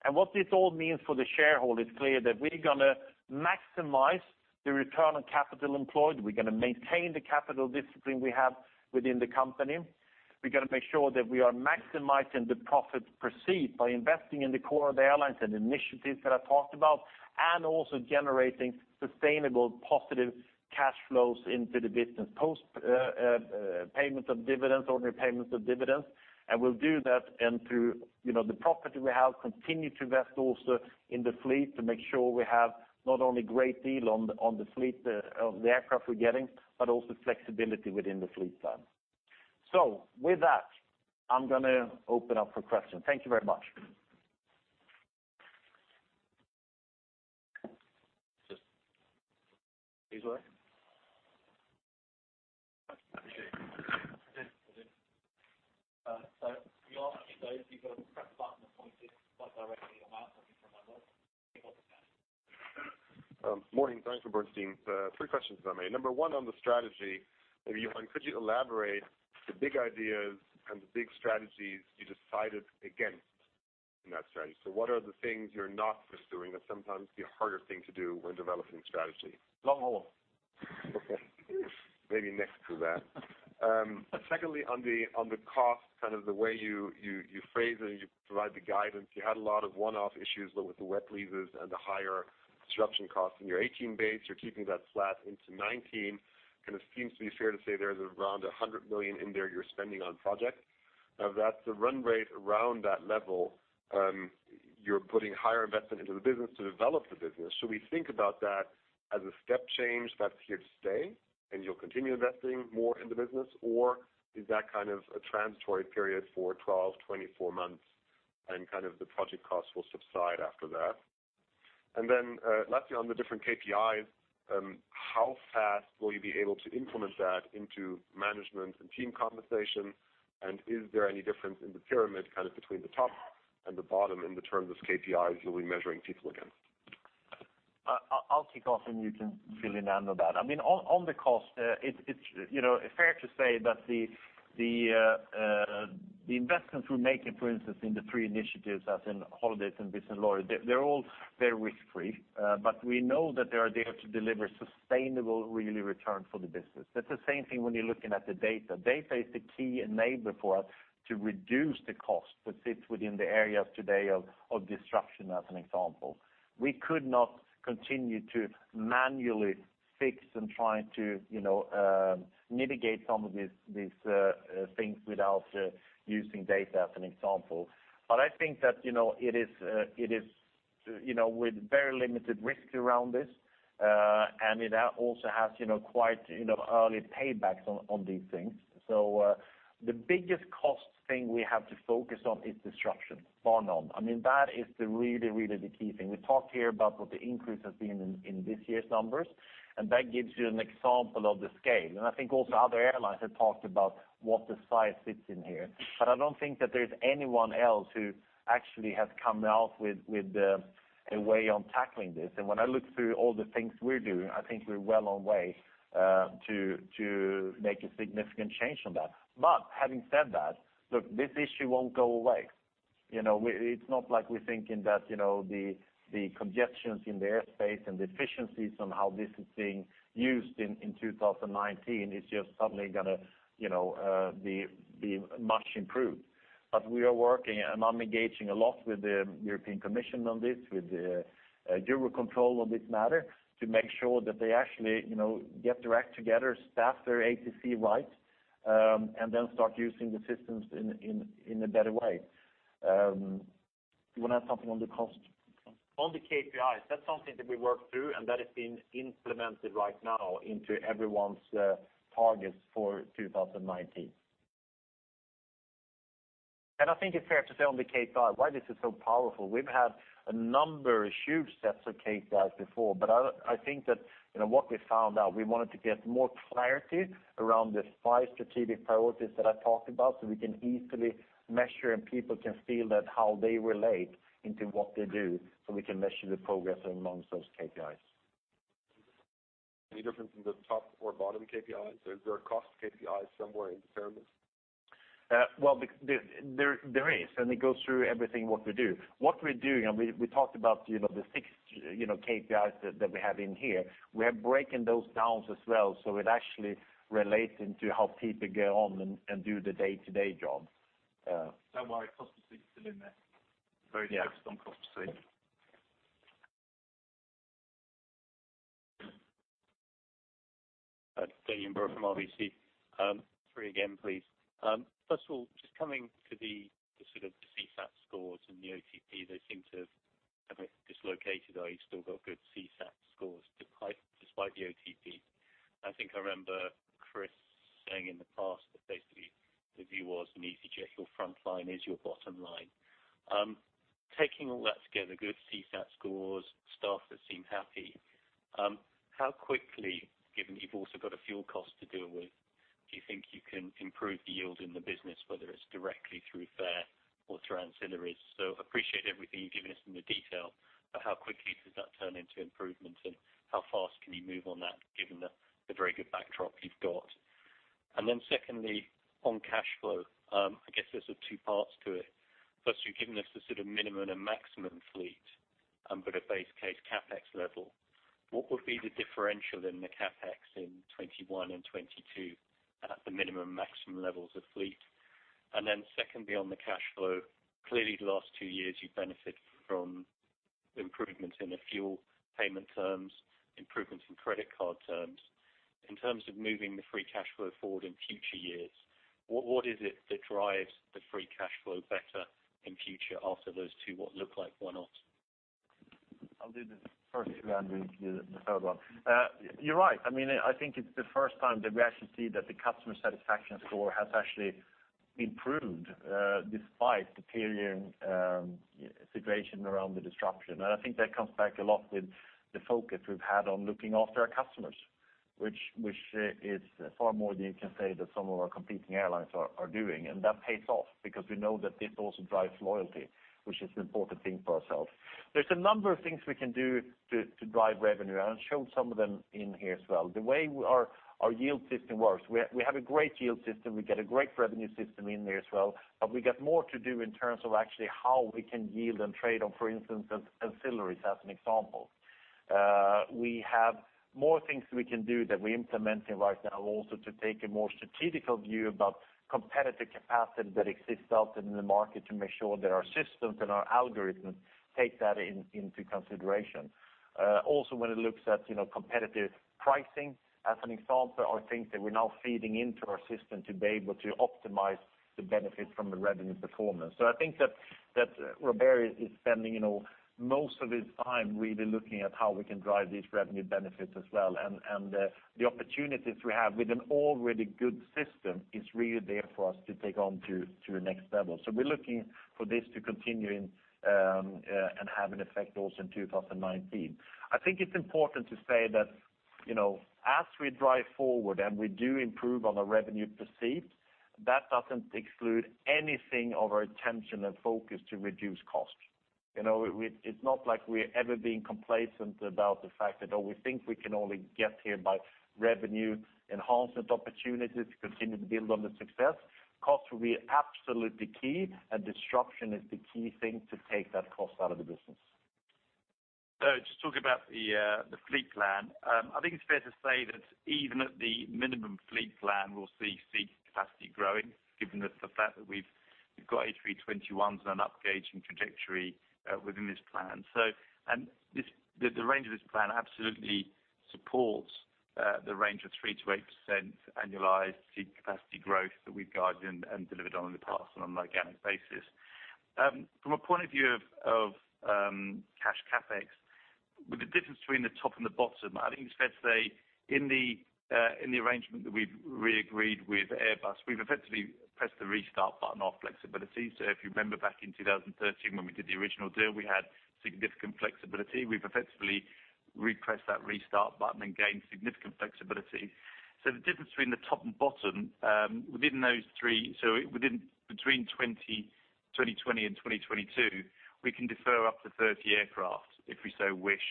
What this all means for the shareholder, it's clear that we're going to maximize the return on capital employed. We're going to maintain the capital discipline we have within the company. We're going to make sure that we are maximizing the profits per seat by investing in the core of the airlines and initiatives that I talked about, also generating sustainable positive cash flows into the business post payment of dividends on their payments of dividends. We'll do that and through the property we have, continue to invest also in the fleet to make sure we have not only great deal on the fleet of the aircraft we're getting, but also flexibility within the fleet plan. With that, I'm going to open up for questions. Thank you very much. Just, these work? I appreciate it. If you ask those, you've got to press the button and point it quite directly at my mouth, so I can remember. Morning. Thanks for hosting. Three questions if I may. Number one on the strategy, maybe Johan, could you elaborate the big ideas and the big strategies you decided against in that strategy? What are the things you're not pursuing that sometimes be a harder thing to do when developing strategy? Long haul. Okay. Maybe next to that. Secondly, on the cost, kind of the way you phrase it as you provide the guidance, you had a lot of one-off issues with the wet leases and the higher disruption costs in your 2018 base. You're keeping that flat into 2019. Kind of seems to be fair to say there's around 100 million in there you're spending on projects. If that's the run rate around that level, you're putting higher investment into the business to develop the business. Should we think about that as a step change that's here to stay, and you'll continue investing more in the business? Or is that kind of a transitory period for 12, 24 months and kind of the project costs will subside after that? Lastly, on the different KPIs, how fast will you be able to implement that into management and team conversation? Is there any difference in the pyramid kind of between the top and the bottom in the terms of KPIs you'll be measuring people against? I'll kick off and you can fill in, Andrew, that. On the cost, it's fair to say that the investments we're making, for instance, in the three initiatives as in holidays and business and loyalty, they're all very risk-free. We know that they are there to deliver sustainable, real return for the business. That's the same thing when you're looking at the data. Data is the key enabler for us to reduce the cost that sits within the areas today of disruption as an example. We could not continue to manually fix and try to mitigate some of these things without using data, as an example. I think that with very limited risk around this, it also has quite early paybacks on these things. The biggest cost thing we have to focus on is disruption. Bar none. That is really the key thing. We talked here about what the increase has been in this year's numbers, and that gives you an example of the scale. I think also other airlines have talked about what the size sits in here. I don't think that there's anyone else who actually has come out with a way on tackling this. When I look through all the things we're doing, I think we're well on way to make a significant change on that. Having said that, look, this issue won't go away. It's not like we're thinking that the congestions in the airspace and the efficiencies on how this is being used in 2019 is just suddenly going to be much improved. We are working, and I'm engaging a lot with the European Commission on this, with Eurocontrol on this matter to make sure that they actually get their act together, staff their ATC right, and then start using the systems in a better way. You want to add something on the cost? On the KPIs. That's something that we worked through, and that is being implemented right now into everyone's targets for 2019. I think it's fair to say on the KPI why this is so powerful. We've had a number of huge sets of KPIs before, but I think that what we found out, we wanted to get more clarity around the five strategic priorities that I talked about, so we can easily measure and people can feel that how they relate into what they do, so we can measure the progress amongst those KPIs. Any difference in the top or bottom KPIs? Is there a cost KPI somewhere in there? Well, there is, and it goes through everything what we do. What we're doing, and we talked about the six KPIs that we have in here. We're breaking those down as well, so it actually relates into how people go on and do the day-to-day job. Don't worry, cost is still in there. Yeah. Very focused on cost save. Ruairi Cullinane from RBC. Three again, please. First of all, just coming to the sort of CSAT scores and the OTP, they seem to have dislocated. You still got good CSAT scores despite the OTP. I think I remember Chris saying in the past that basically the view was in easyJet, your frontline is your bottom line. Taking all that together, good CSAT scores, staff that seem happy. How quickly, given that you've also got a fuel cost to deal with, do you think you can improve the yield in the business, whether it's directly through fare or through ancillaries? Appreciate everything you've given us in the detail, but how quickly does that turn into improvements, and how fast can you move on that given the very good backdrop you've got? Secondly, on cash flow, I guess there's two parts to it. First, you've given us the sort of minimum and maximum fleet, but a base case CapEx level. What would be the differential in the CapEx in 2021 and 2022 at the minimum-maximum levels of fleet? Secondly, on the cash flow. Clearly, the last two years, you've benefited from improvements in the fuel payment terms, improvements in credit card terms. In terms of moving the free cash flow forward in future years, what is it that drives the free cash flow better in future after those two, what look like one-offs? I'll do the first two and the third one. You're right. I think it's the first time that we actually see that the customer satisfaction score has actually improved despite the period situation around the disruption. I think that comes back a lot with the focus we've had on looking after our customers, which is far more than you can say that some of our competing airlines are doing. That pays off because we know that this also drives loyalty, which is an important thing for ourselves. There's a number of things we can do to drive revenue, and I've showed some of them in here as well. The way our yield system works, we have a great yield system. We get a great revenue system in there as well. We got more to do in terms of actually how we can yield and trade on, for instance, ancillaries as an example. We have more things we can do that we're implementing right now also to take a more strategical view about competitive capacity that exists out in the market to make sure that our systems and our algorithms take that into consideration. Also when it looks at competitive pricing as an example are things that we're now feeding into our system to be able to optimize the benefit from the revenue performance. I think that Robert is spending most of his time really looking at how we can drive these revenue benefits as well. The opportunities we have with an already good system is really there for us to take on to a next level. We're looking for this to continue and have an effect also in 2019. I think it's important to say that as we drive forward and we do improve on the revenue perceived, that doesn't exclude anything of our attention and focus to reduce cost. It's not like we're ever being complacent about the fact that we think we can only get here by revenue enhancement opportunities to continue to build on the success. Cost will be absolutely key, and disruption is the key thing to take that cost out of the business. Just talking about the fleet plan, I think it's fair to say that even at the minimum fleet plan, we'll see seat capacity growing, given the fact that we've got A321s and an up gauge in trajectory within this plan. And the range of this plan absolutely This supports the range of 3%-8% annualized seat capacity growth that we've guided and delivered on in the past on an organic basis. From a point of view of cash CapEx, with the difference between the top and the bottom, I think it's fair to say in the arrangement that we've re-agreed with Airbus, we've effectively pressed the restart button on flexibility. If you remember back in 2013 when we did the original deal, we had significant flexibility. We've effectively re-pressed that restart button and gained significant flexibility. The difference between the top and bottom, within between 2020 and 2022, we can defer up to 30 aircraft if we so wish.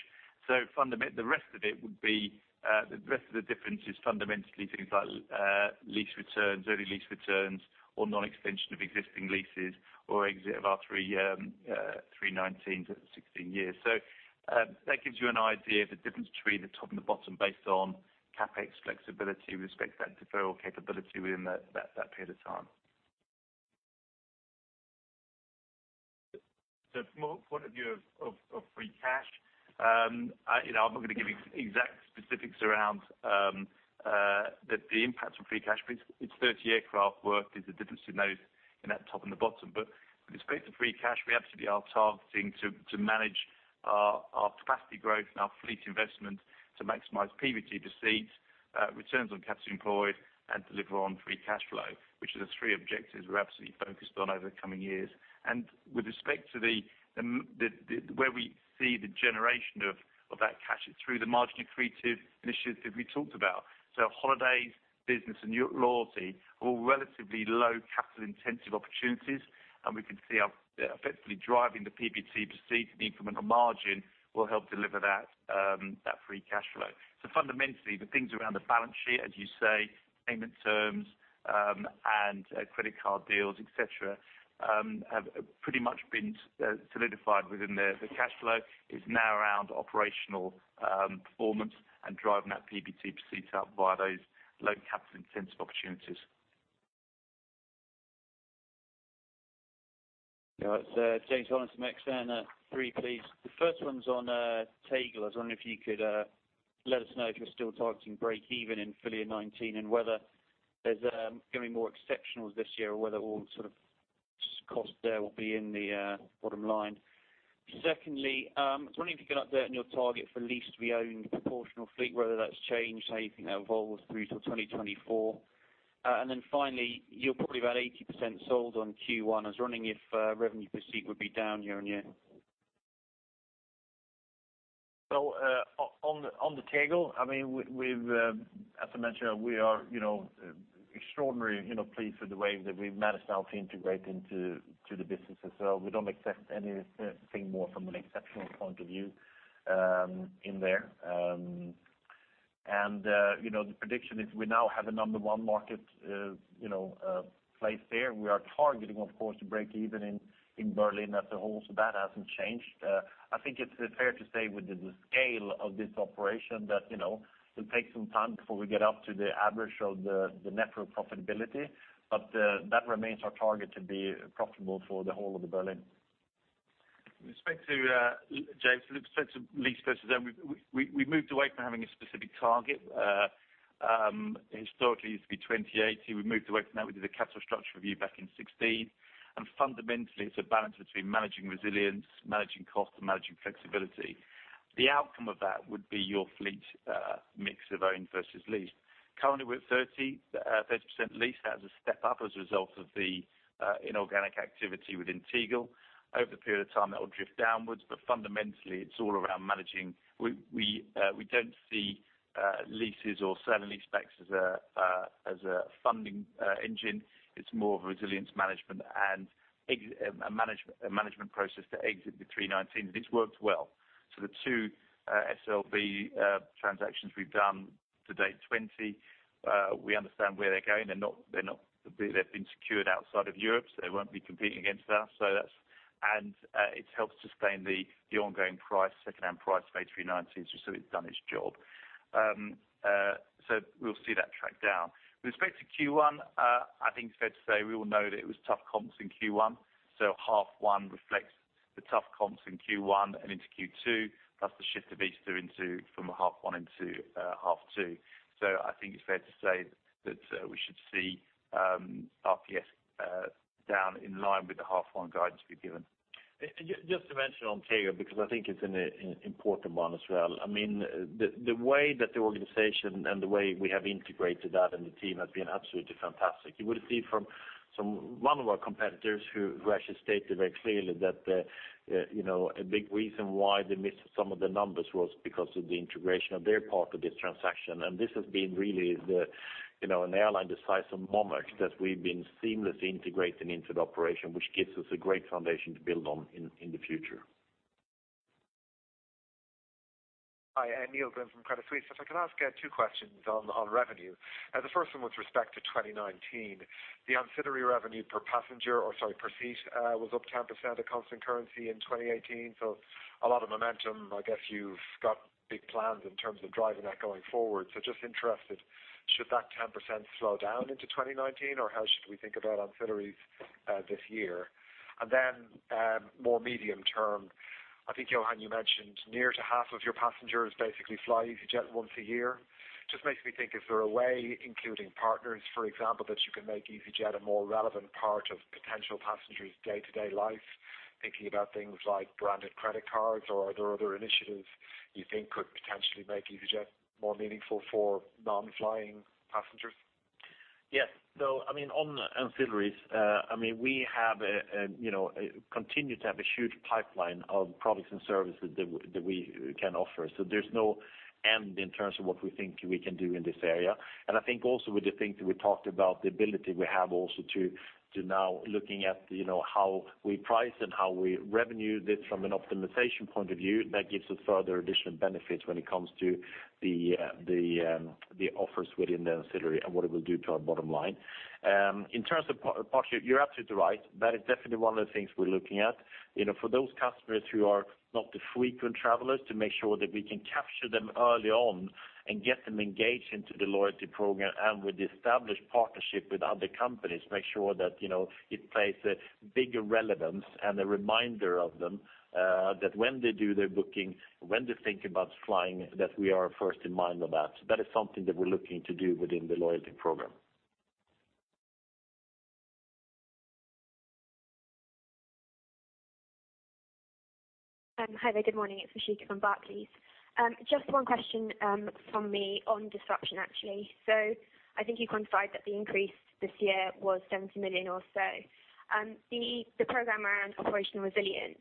The rest of the difference is fundamentally things like lease returns, early lease returns, or non-extension of existing leases, or exit of our A319 to 16 years. That gives you an idea of the difference between the top and the bottom based on CapEx flexibility with respect to that deferral capability within that period of time. From a point of view of free cash, I'm not going to give you exact specifics around the impact on free cash. It's 30 aircraft worth is the difference in that top and the bottom. With respect to free cash, we absolutely are targeting to manage our capacity growth and our fleet investment to maximize PBT per seat, returns on capital employed, and deliver on free cash flow. Which are the three objectives we're absolutely focused on over the coming years. With respect to where we see the generation of that cash is through the margin-accretive initiatives that we talked about. Holidays, business, and loyalty are all relatively low capital-intensive opportunities. We can see effectively driving the PBT per seat and the incremental margin will help deliver that free cash flow. Fundamentally, the things around the balance sheet, as you say, payment terms, and credit card deals, et cetera, have pretty much been solidified within the cash flow. It's now around operational performance and driving that PBT per seat up via those low capital-intensive opportunities. Yeah. It's James Hollins from Exane. Three, please. The first one's on Tegel. I was wondering if you could let us know if you're still targeting break even in full-year 2019, whether there's going to be more exceptionals this year, or whether all sort of cost there will be in the bottom line. Secondly, I was wondering if you could update on your target for leased to be owned proportional fleet, whether that's changed, how you think that evolves through to 2024. Finally, you're probably about 80% sold on Q1. I was wondering if revenue per seat would be down year-on-year. On the Tegel, as I mentioned, we are extraordinarily pleased with the way that we've managed now to integrate into the business as well. We don't expect anything more from an exceptional point of view in there. The prediction is we now have a Number 1 marketplace there. We are targeting, of course, to break even in Berlin as a whole. That hasn't changed. I think it's fair to say with the scale of this operation that it will take some time before we get up to the average of the net profitability. That remains our target to be profitable for the whole of Berlin. With respect to James, with respect to lease versus own, we moved away from having a specific target. Historically, it used to be 2018. We moved away from that. We did a capital structure review back in 2016. Fundamentally, it's a balance between managing resilience, managing cost, and managing flexibility. The outcome of that would be your fleet mix of owned versus leased. Currently, we're at 30% leased. That is a step up as a result of the inorganic activity within Tegel. Over the period of time, that will drift downwards. Fundamentally, it's all around managing. We don't see leases or selling leasebacks as a funding engine. It's more of a resilience management and a management process to exit the A319s, and it's worked well. The two SLB transactions we've done to date 2020, we understand where they're going. They've been secured outside of Europe, so they won't be competing against us. It's helped sustain the ongoing secondhand price of A319s. It's done its job. We'll see that track down. With respect to Q1, I think it's fair to say we all know that it was tough comps in Q1, so half one reflects the tough comps in Q1 and into Q2. Plus the shift of Easter from half one into half two. So I think it's fair to say that we should see RPS down in line with the half one guidance we've given. Just to mention on Tegel, because I think it's an important one as well. The way that the organization and the way we have integrated that and the team has been absolutely fantastic. You would have seen from one of our competitors, who actually stated very clearly that a big reason why they missed some of the numbers was because of the integration of their part of this transaction. This has been really an airline the size of Monarch, that we've been seamlessly integrating into the operation, which gives us a great foundation to build on in the future. Hi, Neil Glynn from Credit Suisse. If I could ask two questions on revenue. The first one with respect to 2019. The ancillary revenue per passenger, or sorry, per seat, was up 10% at constant currency in 2018. A lot of momentum. I guess you've got big plans in terms of driving that going forward. Just interested, should that 10% slow down into 2019, or how should we think about ancillaries this year? Then more medium term I think, Johan, you mentioned near to half of your passengers basically fly easyJet once a year. Just makes me think, is there a way, including partners, for example, that you can make easyJet a more relevant part of potential passengers' day-to-day life? Thinking about things like branded credit cards or are there other initiatives you think could potentially make easyJet more meaningful for non-flying passengers? Yes. On ancillaries, we continue to have a huge pipeline of products and services that we can offer. There's no end in terms of what we think we can do in this area. I think also with the things that we talked about, the ability we have also to now looking at how we price and how we revenue this from an optimization point of view, that gives us further additional benefits when it comes to the offers within the ancillary and what it will do to our bottom line. In terms of partnership, you're absolutely right. That is definitely one of the things we're looking at. For those customers who are not the frequent travelers, to make sure that we can capture them early on and get them engaged into the loyalty program and with the established partnership with other companies, make sure that it plays a bigger relevance and a reminder of them, that when they do their booking, when they think about flying, that we are first in mind of that. That is something that we're looking to do within the loyalty program. Hi there. Good morning. It's Rishika from Barclays. Just one question from me on disruption, actually. I think you quantified that the increase this year was 70 million or so. The program around operational resilience.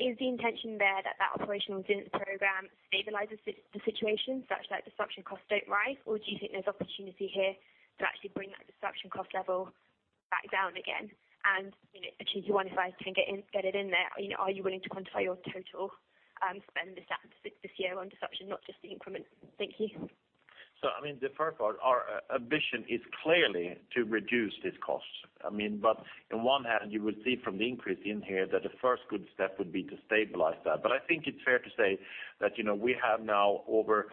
Is the intention there that operational resilience program stabilizes the situation such that disruption costs don't rise? Or do you think there's opportunity here to actually bring that disruption cost level back down again? Actually if you want, if I can get it in there, are you willing to quantify your total spend this year on disruption, not just the increment? Thank you. The first part, our ambition is clearly to reduce this cost. On one hand, you will see from the increase in here that the first good step would be to stabilize that. I think it's fair to say that, we have now over,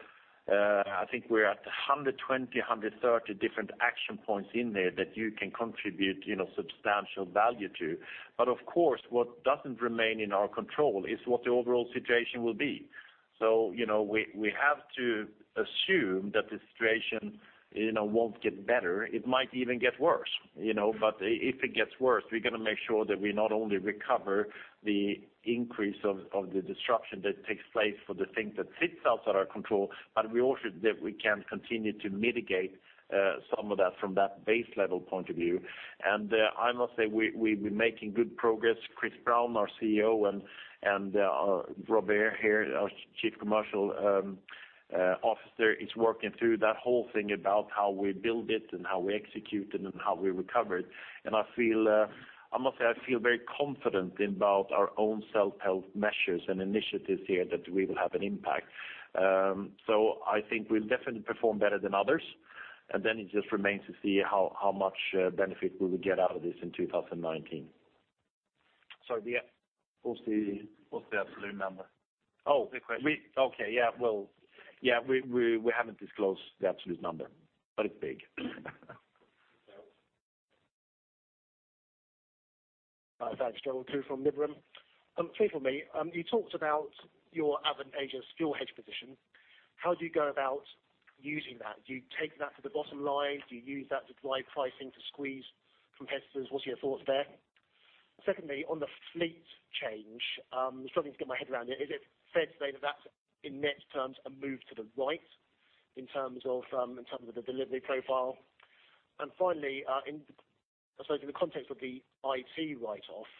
I think we're at 120, 130 different action points in there that you can contribute substantial value to. Of course, what doesn't remain in our control is what the overall situation will be. We have to assume that the situation won't get better. It might even get worse. If it gets worse, we're going to make sure that we not only recover the increase of the disruption that takes place for the things that sits outside our control, but we also that we can continue to mitigate some of that from that base level point of view. I must say, we're making good progress. Chris Browne, our COO, and Robert here, our Chief Commercial Officer, is working through that whole thing about how we build it and how we execute it and how we recover it. I must say, I feel very confident about our own self-help measures and initiatives here that we will have an impact. I think we'll definitely perform better than others, then it just remains to see how much benefit will we get out of this in 2019. Sorry. What's the absolute number? Oh. Quick question. Okay. Yeah. We haven't disclosed the absolute number, but it's big. Hi, guys. Gerald Khoo from Liberum. Three for me. You talked about your advantageous fuel hedge position. How do you go about using that? Do you take that to the bottom line? Do you use that to drive pricing to squeeze competitors? What's your thoughts there? Secondly, on the fleet change, I'm struggling to get my head around it. Is it fair to say that's, in net terms, a move to the right in terms of the delivery profile? Finally, I suppose in the context of the IT write-off,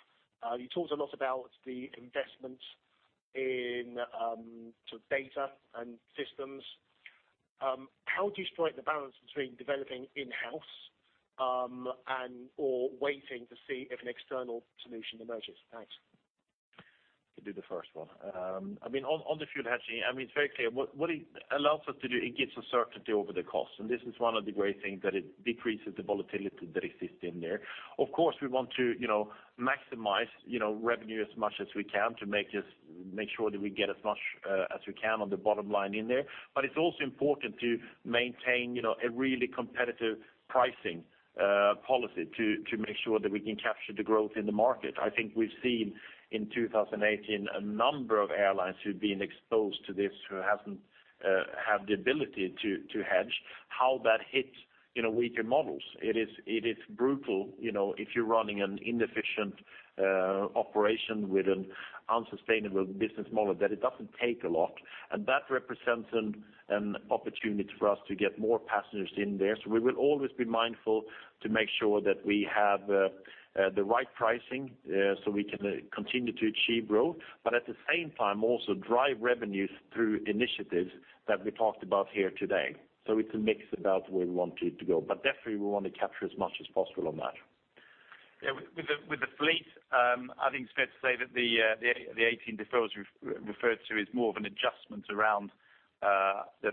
you talked a lot about the investment in data and systems. How do you strike the balance between developing in-house and/or waiting to see if an external solution emerges? Thanks. I could do the first one. On the fuel hedging, it's very clear. What it allows us to do, it gives us certainty over the cost, this is one of the great things, that it decreases the volatility that exists in there. Of course, we want to maximize revenue as much as we can to make sure that we get as much as we can on the bottom line in there. It's also important to maintain a really competitive pricing policy to make sure that we can capture the growth in the market. I think we've seen in 2018 a number of airlines who've been exposed to this, who haven't had the ability to hedge, how that hits weaker models. It is brutal if you're running an inefficient operation with an unsustainable business model, that it doesn't take a lot. That represents an opportunity for us to get more passengers in there. We will always be mindful to make sure that we have the right pricing, so we can continue to achieve growth, but at the same time, also drive revenues through initiatives that we talked about here today. It's a mix about where we want it to go. Definitely, we want to capture as much as possible on that. Yeah. With the fleet, I think it's fair to say that the 2018 deferrals referred to is more of an adjustment around the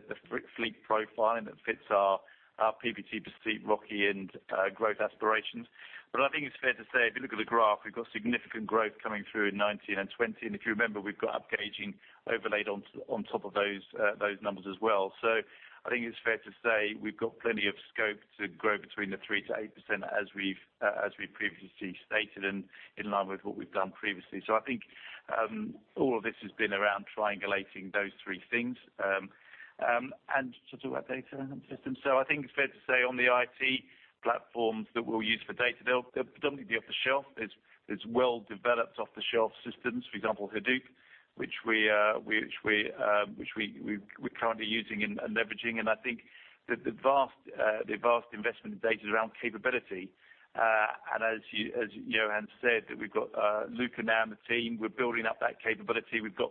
fleet profile and that fits our PBT per seat ROCE and growth aspirations. I think it's fair to say, if you look at the graph, we've got significant growth coming through in 2019 and 2020. If you remember, we've got upgauging overlaid on top of those numbers as well. I think it's fair to say we've got plenty of scope to grow between the 3%-8% as we previously stated and in line with what we've done previously. I think all of this has been around triangulating those three things, to talk about data systems. I think it's fair to say on the IT platforms that we'll use for data, they'll predominantly be off the shelf. It's well-developed off-the-shelf systems, for example, Hadoop, which we're currently using and leveraging. I think that the vast investment in data is around capability. As Johan said, that we've got Luca now in the team, we're building up that capability. We've got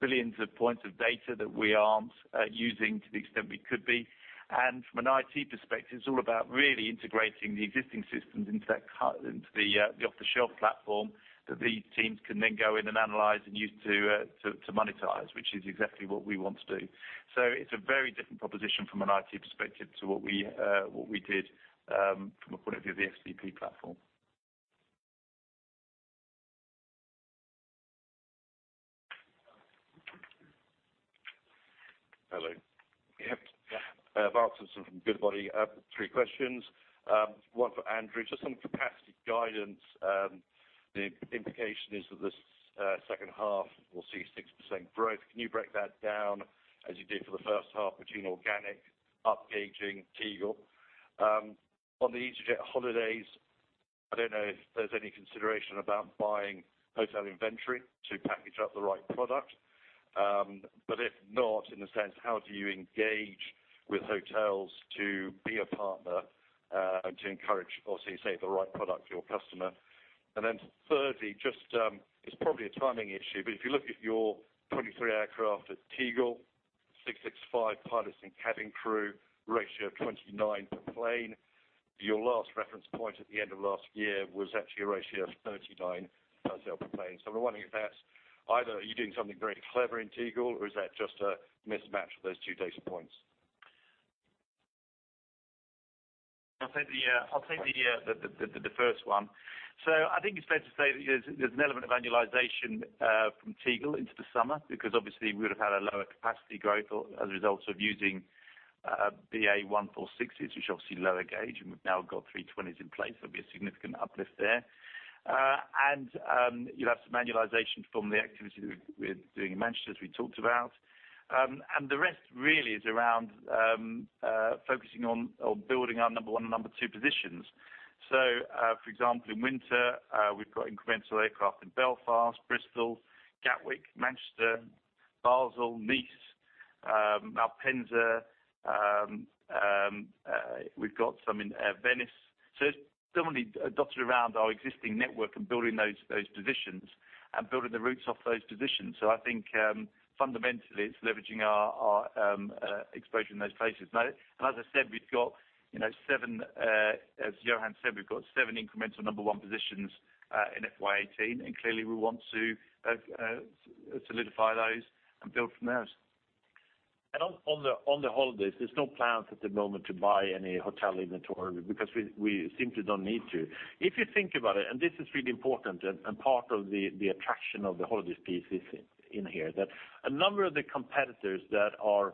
billions of points of data that we aren't using to the extent we could be. From an IT perspective, it's all about really integrating the existing systems into the off-the-shelf platform that these teams can then go in and analyze and use to monetize, which is exactly what we want to do. It's a very different proposition from an IT perspective to what we did from a point of view of the SVP platform. Hello. Yep. I have answers from Goodbody. Three questions, one for Andrew. Just some capacity guidance. The implication is that this second half, we'll see 6% growth. Can you break that down as you did for the first half between organic, upgauging, Tegel? On the easyJet holidays, I don't know if there's any consideration about buying hotel inventory to package up the right product. If not, in a sense, how do you engage with hotels to be a partner, and to encourage or so you say, the right product for your customer? Thirdly, it's probably a timing issue, but if you look at your 23 aircraft at Tegel, 665 pilots and cabin crew, ratio of 29 per plane. Your last reference point at the end of last year was actually a ratio of 39 per plane. I'm wondering if that's either are you doing something very clever in Tegel or is that just a mismatch of those two data points? I'll take the first one. I think it's fair to say that there's an element of annualization from Tegel into the summer, because obviously we would have had a lower capacity growth as a result of using BAe 146s, which are obviously lower gauge, and we've now got A320s in place. There'll be a significant uplift there. You'll have some annualization from the activity that we're doing in Manchester, as we talked about. The rest really is around focusing on building our Number 1 and Number 2 positions. For example, in winter, we've got incremental aircraft in Belfast, Bristol, Gatwick, Manchester, Basel, Nice, Malpensa. We've got some in Venice. It's definitely dotted around our existing network and building those positions and building the routes off those positions. I think fundamentally it's leveraging our exposure in those places. As Johan said, we've got seven incremental Number 1 positions, in FY 2018, clearly we want to solidify those and build from those. On the holidays, there's no plans at the moment to buy any hotel inventory because we simply don't need to. If you think about it, this is really important and part of the attraction of the holidays piece is in here, that a number of the competitors that are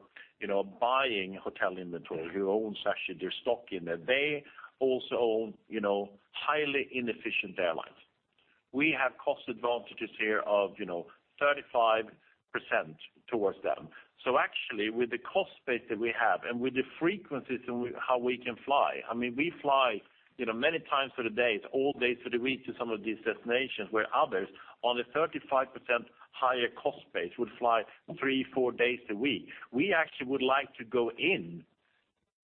buying hotel inventory, who owns actually their stock in there, they also own highly inefficient airlines. We have cost advantages here of 35% towards them. Actually with the cost base that we have and with the frequencies and how we can fly, I mean, we fly many times through the day, all days through the week to some of these destinations where others on a 35% higher cost base would fly three, four days a week. We actually would like to go in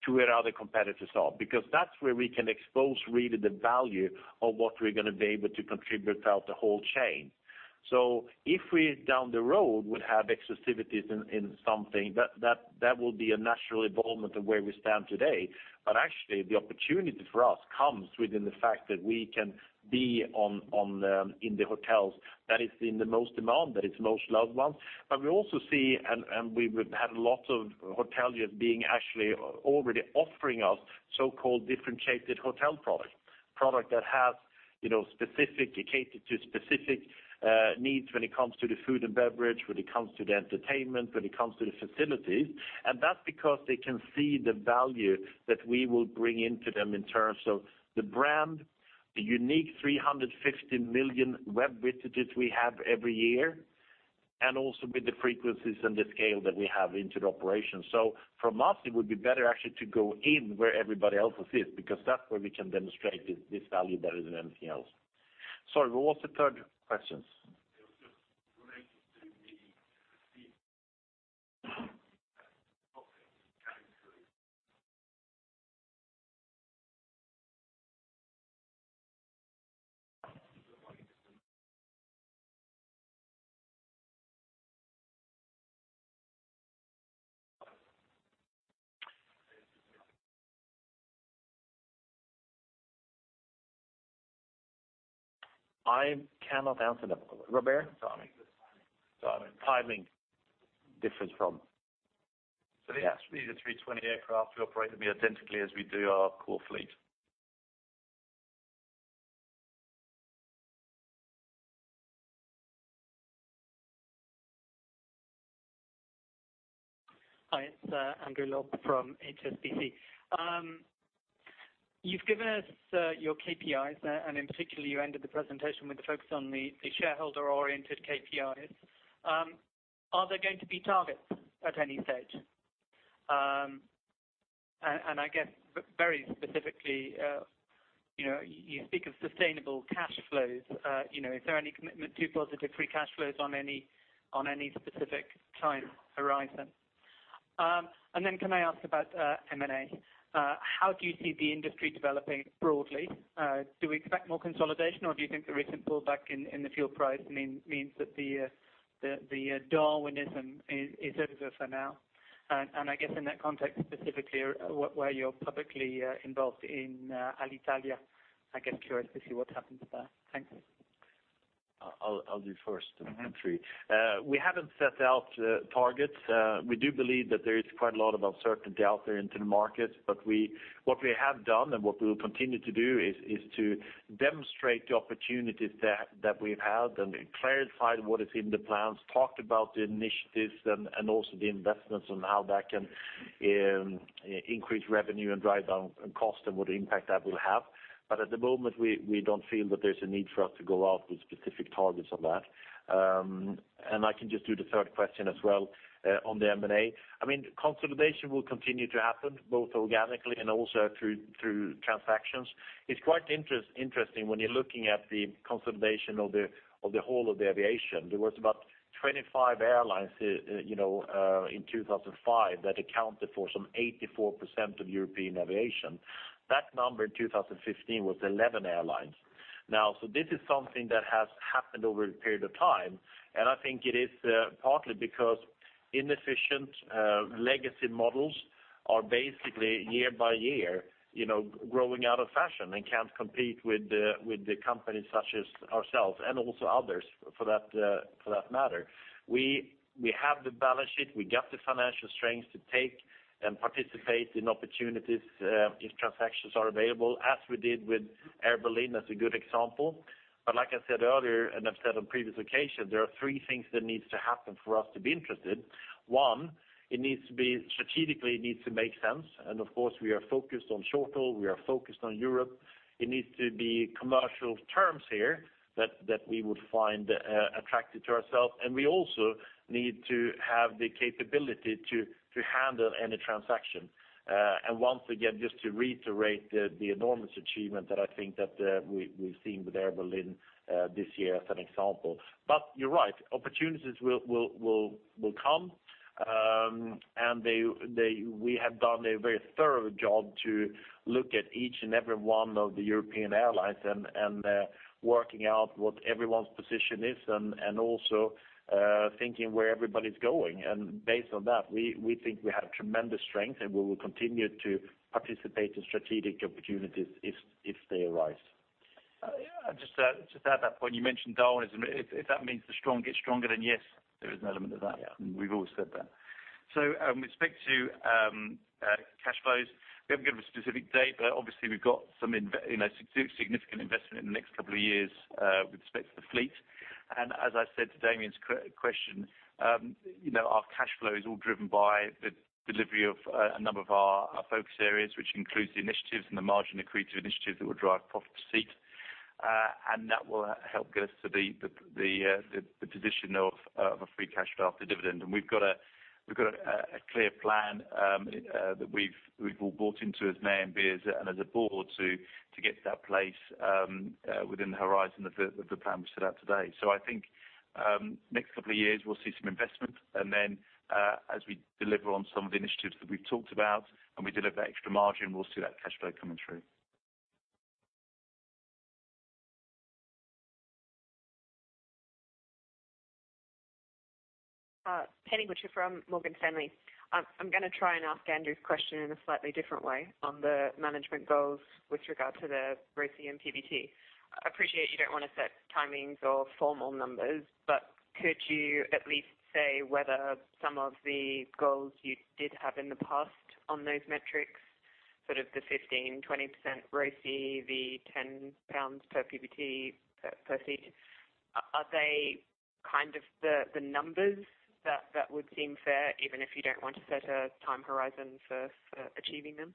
to where other competitors are because that's where we can expose really the value of what we're going to be able to contribute throughout the whole chain. If we, down the road, would have exclusivities in something, that will be a natural involvement of where we stand today. Actually, the opportunity for us comes within the fact that we can be in the hotels that is in the most demand, that is most loved ones. We also see, we would have lots of hoteliers being actually already offering us so-called differentiated hotel product. Product that has specific, catered to specific needs when it comes to the food and beverage, when it comes to the entertainment, when it comes to the facilities. That's because they can see the value that we will bring into them in terms of the brand, the unique 360 million web visits we have every year, also with the frequencies and the scale that we have into the operation. For us, it would be better actually to go in where everybody else is, because that's where we can demonstrate this value better than anything else. Sorry, what was the third question? It was just related to the I cannot answer that one. Robert? Sorry. Timing difference problem. Yes, with the A320 aircraft, we operate them identically as we do our core fleet. Hi, it's Andrew Lobbenberg from HSBC. You've given us your KPIs there. In particular, you ended the presentation with a focus on the shareholder-oriented KPIs. Are there going to be targets at any stage? I guess, very specifically, you speak of sustainable cash flows. Is there any commitment to positive free cash flows on any specific time horizon? Then can I ask about M&A? How do you see the industry developing broadly? Do we expect more consolidation, or do you think the recent pullback in the fuel price means that the Darwinism is over for now? I guess in that context, specifically where you're publicly involved in Alitalia, I get curious to see what happens there. Thanks. I'll defer first to the country. We haven't set out targets. We do believe that there is quite a lot of uncertainty out there into the market. What we have done and what we will continue to do is to demonstrate the opportunities that we've had and clarify what is in the plans, talked about the initiatives and also the investments and how that can increase revenue and drive down cost and what impact that will have. At the moment, we don't feel that there's a need for us to go out with specific targets on that. I can just do the third question as well on the M&A. Consolidation will continue to happen, both organically and also through transactions. It's quite interesting when you're looking at the consolidation of the whole of the aviation. There was about 25 airlines in 2005 that accounted for some 84% of European aviation. That number in 2015 was 11 airlines. This is something that has happened over a period of time, and I think it is partly because inefficient legacy models are basically year by year, growing out of fashion and can't compete with the companies such as ourselves and also others for that matter. We have the balance sheet, we got the financial strength to take and participate in opportunities if transactions are available, as we did with Air Berlin, as a good example. Like I said earlier, and I've said on previous occasions, there are three things that needs to happen for us to be interested. One, strategically it needs to make sense. Of course, we are focused on short-haul, we are focused on Europe. It needs to be commercial terms here that we would find attractive to ourselves, and we also need to have the capability to handle any transaction. Once again, just to reiterate the enormous achievement that I think that we've seen with Air Berlin this year as an example. You're right, opportunities will come, and we have done a very thorough job to look at each and every one of the European airlines and working out what everyone's position is and also thinking where everybody's going. Based on that, we think we have tremendous strength, and we will continue to participate in strategic opportunities if they arise. Just to add to that point, you mentioned Darwinism. If that means the strong get stronger, then yes, there is an element of that. We've always said that. With respect to cash flows, we haven't given a specific date, but obviously we've got some significant investment in the next couple of years with respect to the fleet. As I said to Damian's question, our cash flow is all driven by the delivery of a number of our focus areas, which includes the initiatives and the margin-accretive initiatives that will drive profit per seat. That will help get us to the position of a free cash flow after dividend. We've got a clear plan that we've all bought into as management and as a board to get to that place within the horizon of the plan we set out today. Next couple of years we'll see some investment, and then as we deliver on some of the initiatives that we've talked about and we deliver that extra margin, we'll see that cash flow coming through. Penelope Butcher from Morgan Stanley. I'm going to try and ask Andrew's question in a slightly different way on the management goals with regard to the ROCE and PBT. I appreciate you don't want to set timings or formal numbers, but could you at least say whether some of the goals you did have in the past on those metrics, sort of the 15%-20% ROCE, the 10 pounds per PBT per seat, are they kind of the numbers that would seem fair even if you don't want to set a time horizon for achieving them?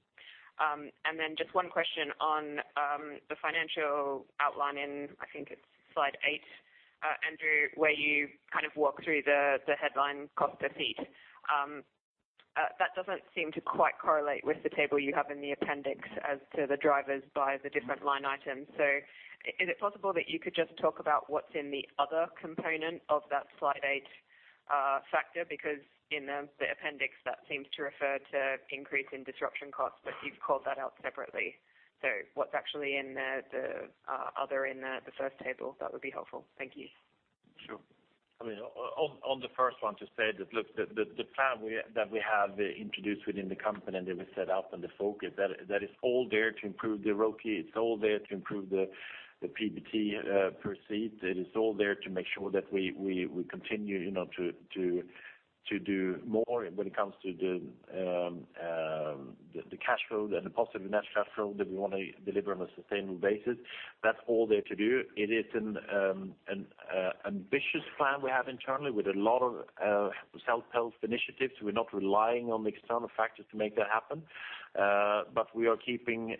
Then just one question on the financial outline in, I think it's slide eight, Andrew, where you kind of walk through the headline cost per seat. That doesn't seem to quite correlate with the table you have in the appendix as to the drivers by the different line items. Is it possible that you could just talk about what's in the other component of that slide eight factor? Because in the appendix, that seems to refer to increase in disruption costs, but you've called that out separately. What's actually in the other in the first table? That would be helpful. Thank you. Sure. On the first one, to say that, look, the plan that we have introduced within the company that we set out and the focus, that is all there to improve the ROCE, it's all there to improve the PBT per seat. It is all there to make sure that we continue to do more when it comes to The cash flow and the positive net cash flow that we want to deliver on a sustainable basis. That's all there to do. It is an ambitious plan we have internally with a lot of self-help initiatives. We're not relying on the external factors to make that happen. We are keeping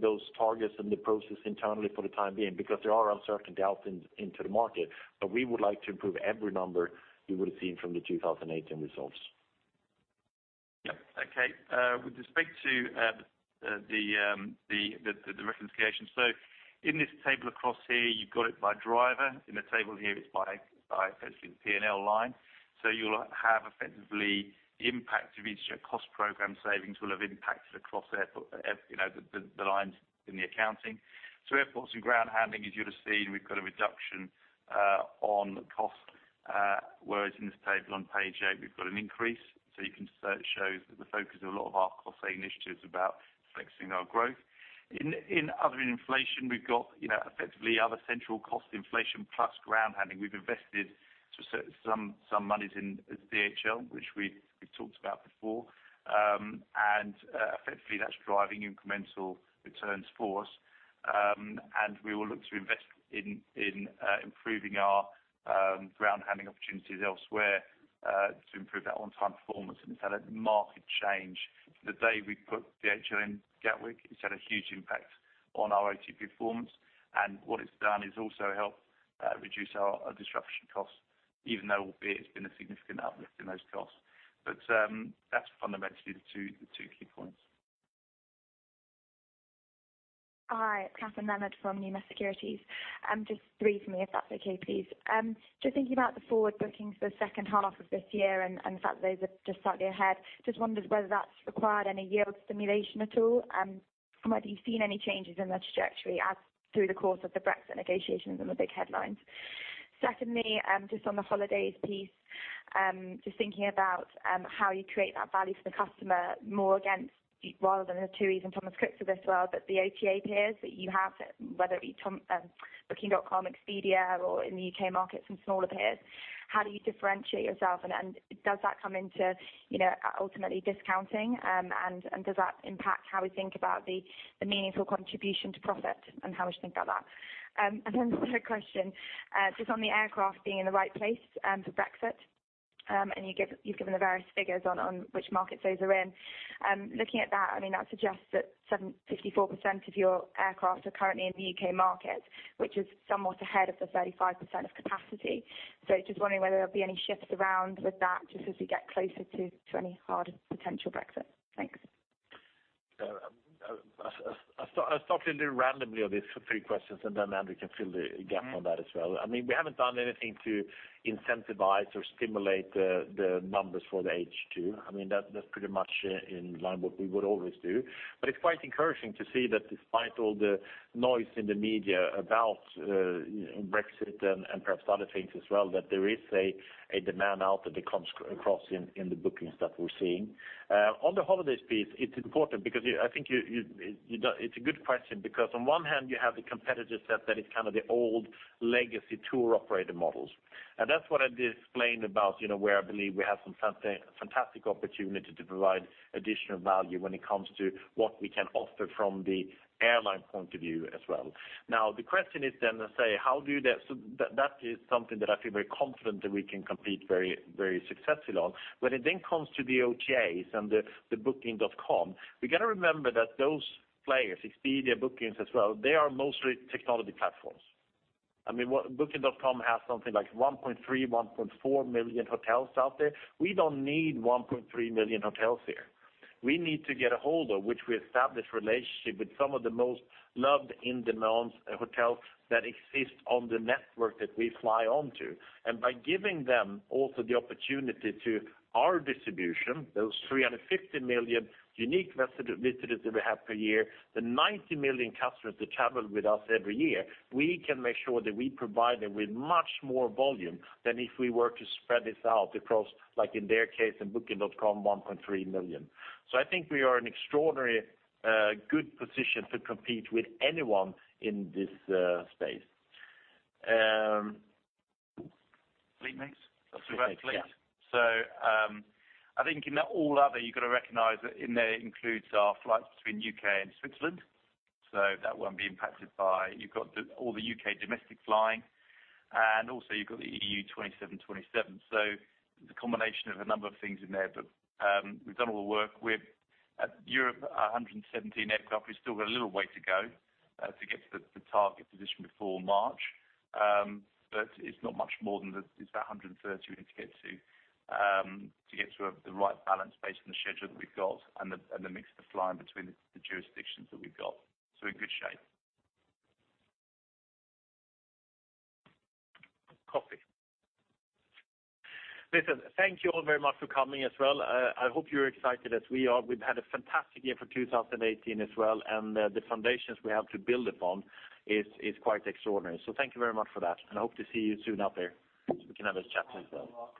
those targets and the process internally for the time being, because there are uncertainties into the market. We would like to improve every number you would've seen from the 2018 results. Yeah. Okay. With respect to the reconciliation. In this table across here, you've got it by driver. In the table here, it's by effectively P&L line. You'll have effectively the impact of each cost program savings will have impacted across the lines in the accounting. Airports and ground handling, as you'll have seen, we've got a reduction on cost, whereas in this table on page eight, we've got an increase. It shows that the focus of a lot of our cost saving initiatives are about flexing our growth. In other inflation, we've got effectively other central cost inflation plus ground handling. We've invested some monies in DHL, which we've talked about before. Effectively, that's driving incremental returns for us. We will look to invest in improving our ground handling opportunities elsewhere, to improve our on time performance. It's had a marked change. The day we put DHL in Gatwick, it's had a huge impact on our ATP performance. What it's done is also helped reduce our disruption costs, even though it's been a significant uplift in those costs. That's fundamentally the two key points. Hi, Kathryn Leonard from Numis Securities. Just three from me, if that's okay, please. Just thinking about the forward bookings for the second half of this year, the fact that those are just slightly ahead. Wondered whether that's required any yield stimulation at all, whether you've seen any changes in the trajectory as through the course of the Brexit negotiations and the big headlines. Secondly, just on the holidays piece, just thinking about how you create that value for the customer more against, rather than the TUI and Thomas Cook of this world, but the OTA peers that you have, whether it be Booking.com, Expedia, or in the U.K. market, some smaller peers. How do you differentiate yourself and does that come into ultimately discounting, and does that impact how we think about the meaningful contribution to profit and how we should think about that? Third question, just on the aircraft being in the right place for Brexit. You've given the various figures on which markets those are in. Looking at that suggests that 54% of your aircraft are currently in the U.K. market, which is somewhat ahead of the 35% of capacity. Just wondering whether there'll be any shifts around with that just as we get closer to any hard potential Brexit. Thanks. I'll start a little randomly on these three questions, then Andrew can fill the gap on that as well. We haven't done anything to incentivize or stimulate the numbers for the H2. That's pretty much in line with what we would always do. It's quite encouraging to see that despite all the noise in the media about Brexit and perhaps other things as well, that there is a demand out that comes across in the bookings that we're seeing. On the holidays piece, it's important because I think it's a good question, because on one hand, you have the competitor set that is kind of the old legacy tour operator models. That's what I just explained about, where I believe we have some fantastic opportunity to provide additional value when it comes to what we can offer from the airline point of view as well. The question is how do that is something that I feel very confident that we can compete very successfully on. When it then comes to the OTAs and Booking.com, we got to remember that those players, Expedia bookings as well, they are mostly technology platforms. Booking.com has something like 1.3, 1.4 million hotels out there. We don't need 1.3 million hotels here. We need to get a hold of which we establish relationship with some of the most loved in-demand hotels that exist on the network that we fly on to. By giving them also the opportunity to our distribution, those 350 million unique visitors that we have per year, the 90 million customers that travel with us every year, we can make sure that we provide them with much more volume than if we were to spread this out across, like in their case, in Booking.com, 1.3 million. I think we are in extraordinary good position to compete with anyone in this space. Fleet mix? That's about fleet. Okay. Yeah. I think in that all other, you've got to recognize that in there includes our flights between U.K. and Switzerland. That won't be impacted by, you've got all the U.K. domestic flying, and also you've got the EU27-27. It's a combination of a number of things in there, but we've done all the work. With Europe, 117 aircraft, we've still got a little way to go to get to the target position before March. It's not much more than that. It's about 130 we need to get to get to the right balance based on the schedule that we've got and the mix of the flying between the jurisdictions that we've got. We're in good shape. Copy. Listen, thank you all very much for coming as well. I hope you're excited as we are. We've had a fantastic year for 2018 as well, and the foundations we have to build upon is quite extraordinary. Thank you very much for that, and I hope to see you soon out there so we can have this chat as well.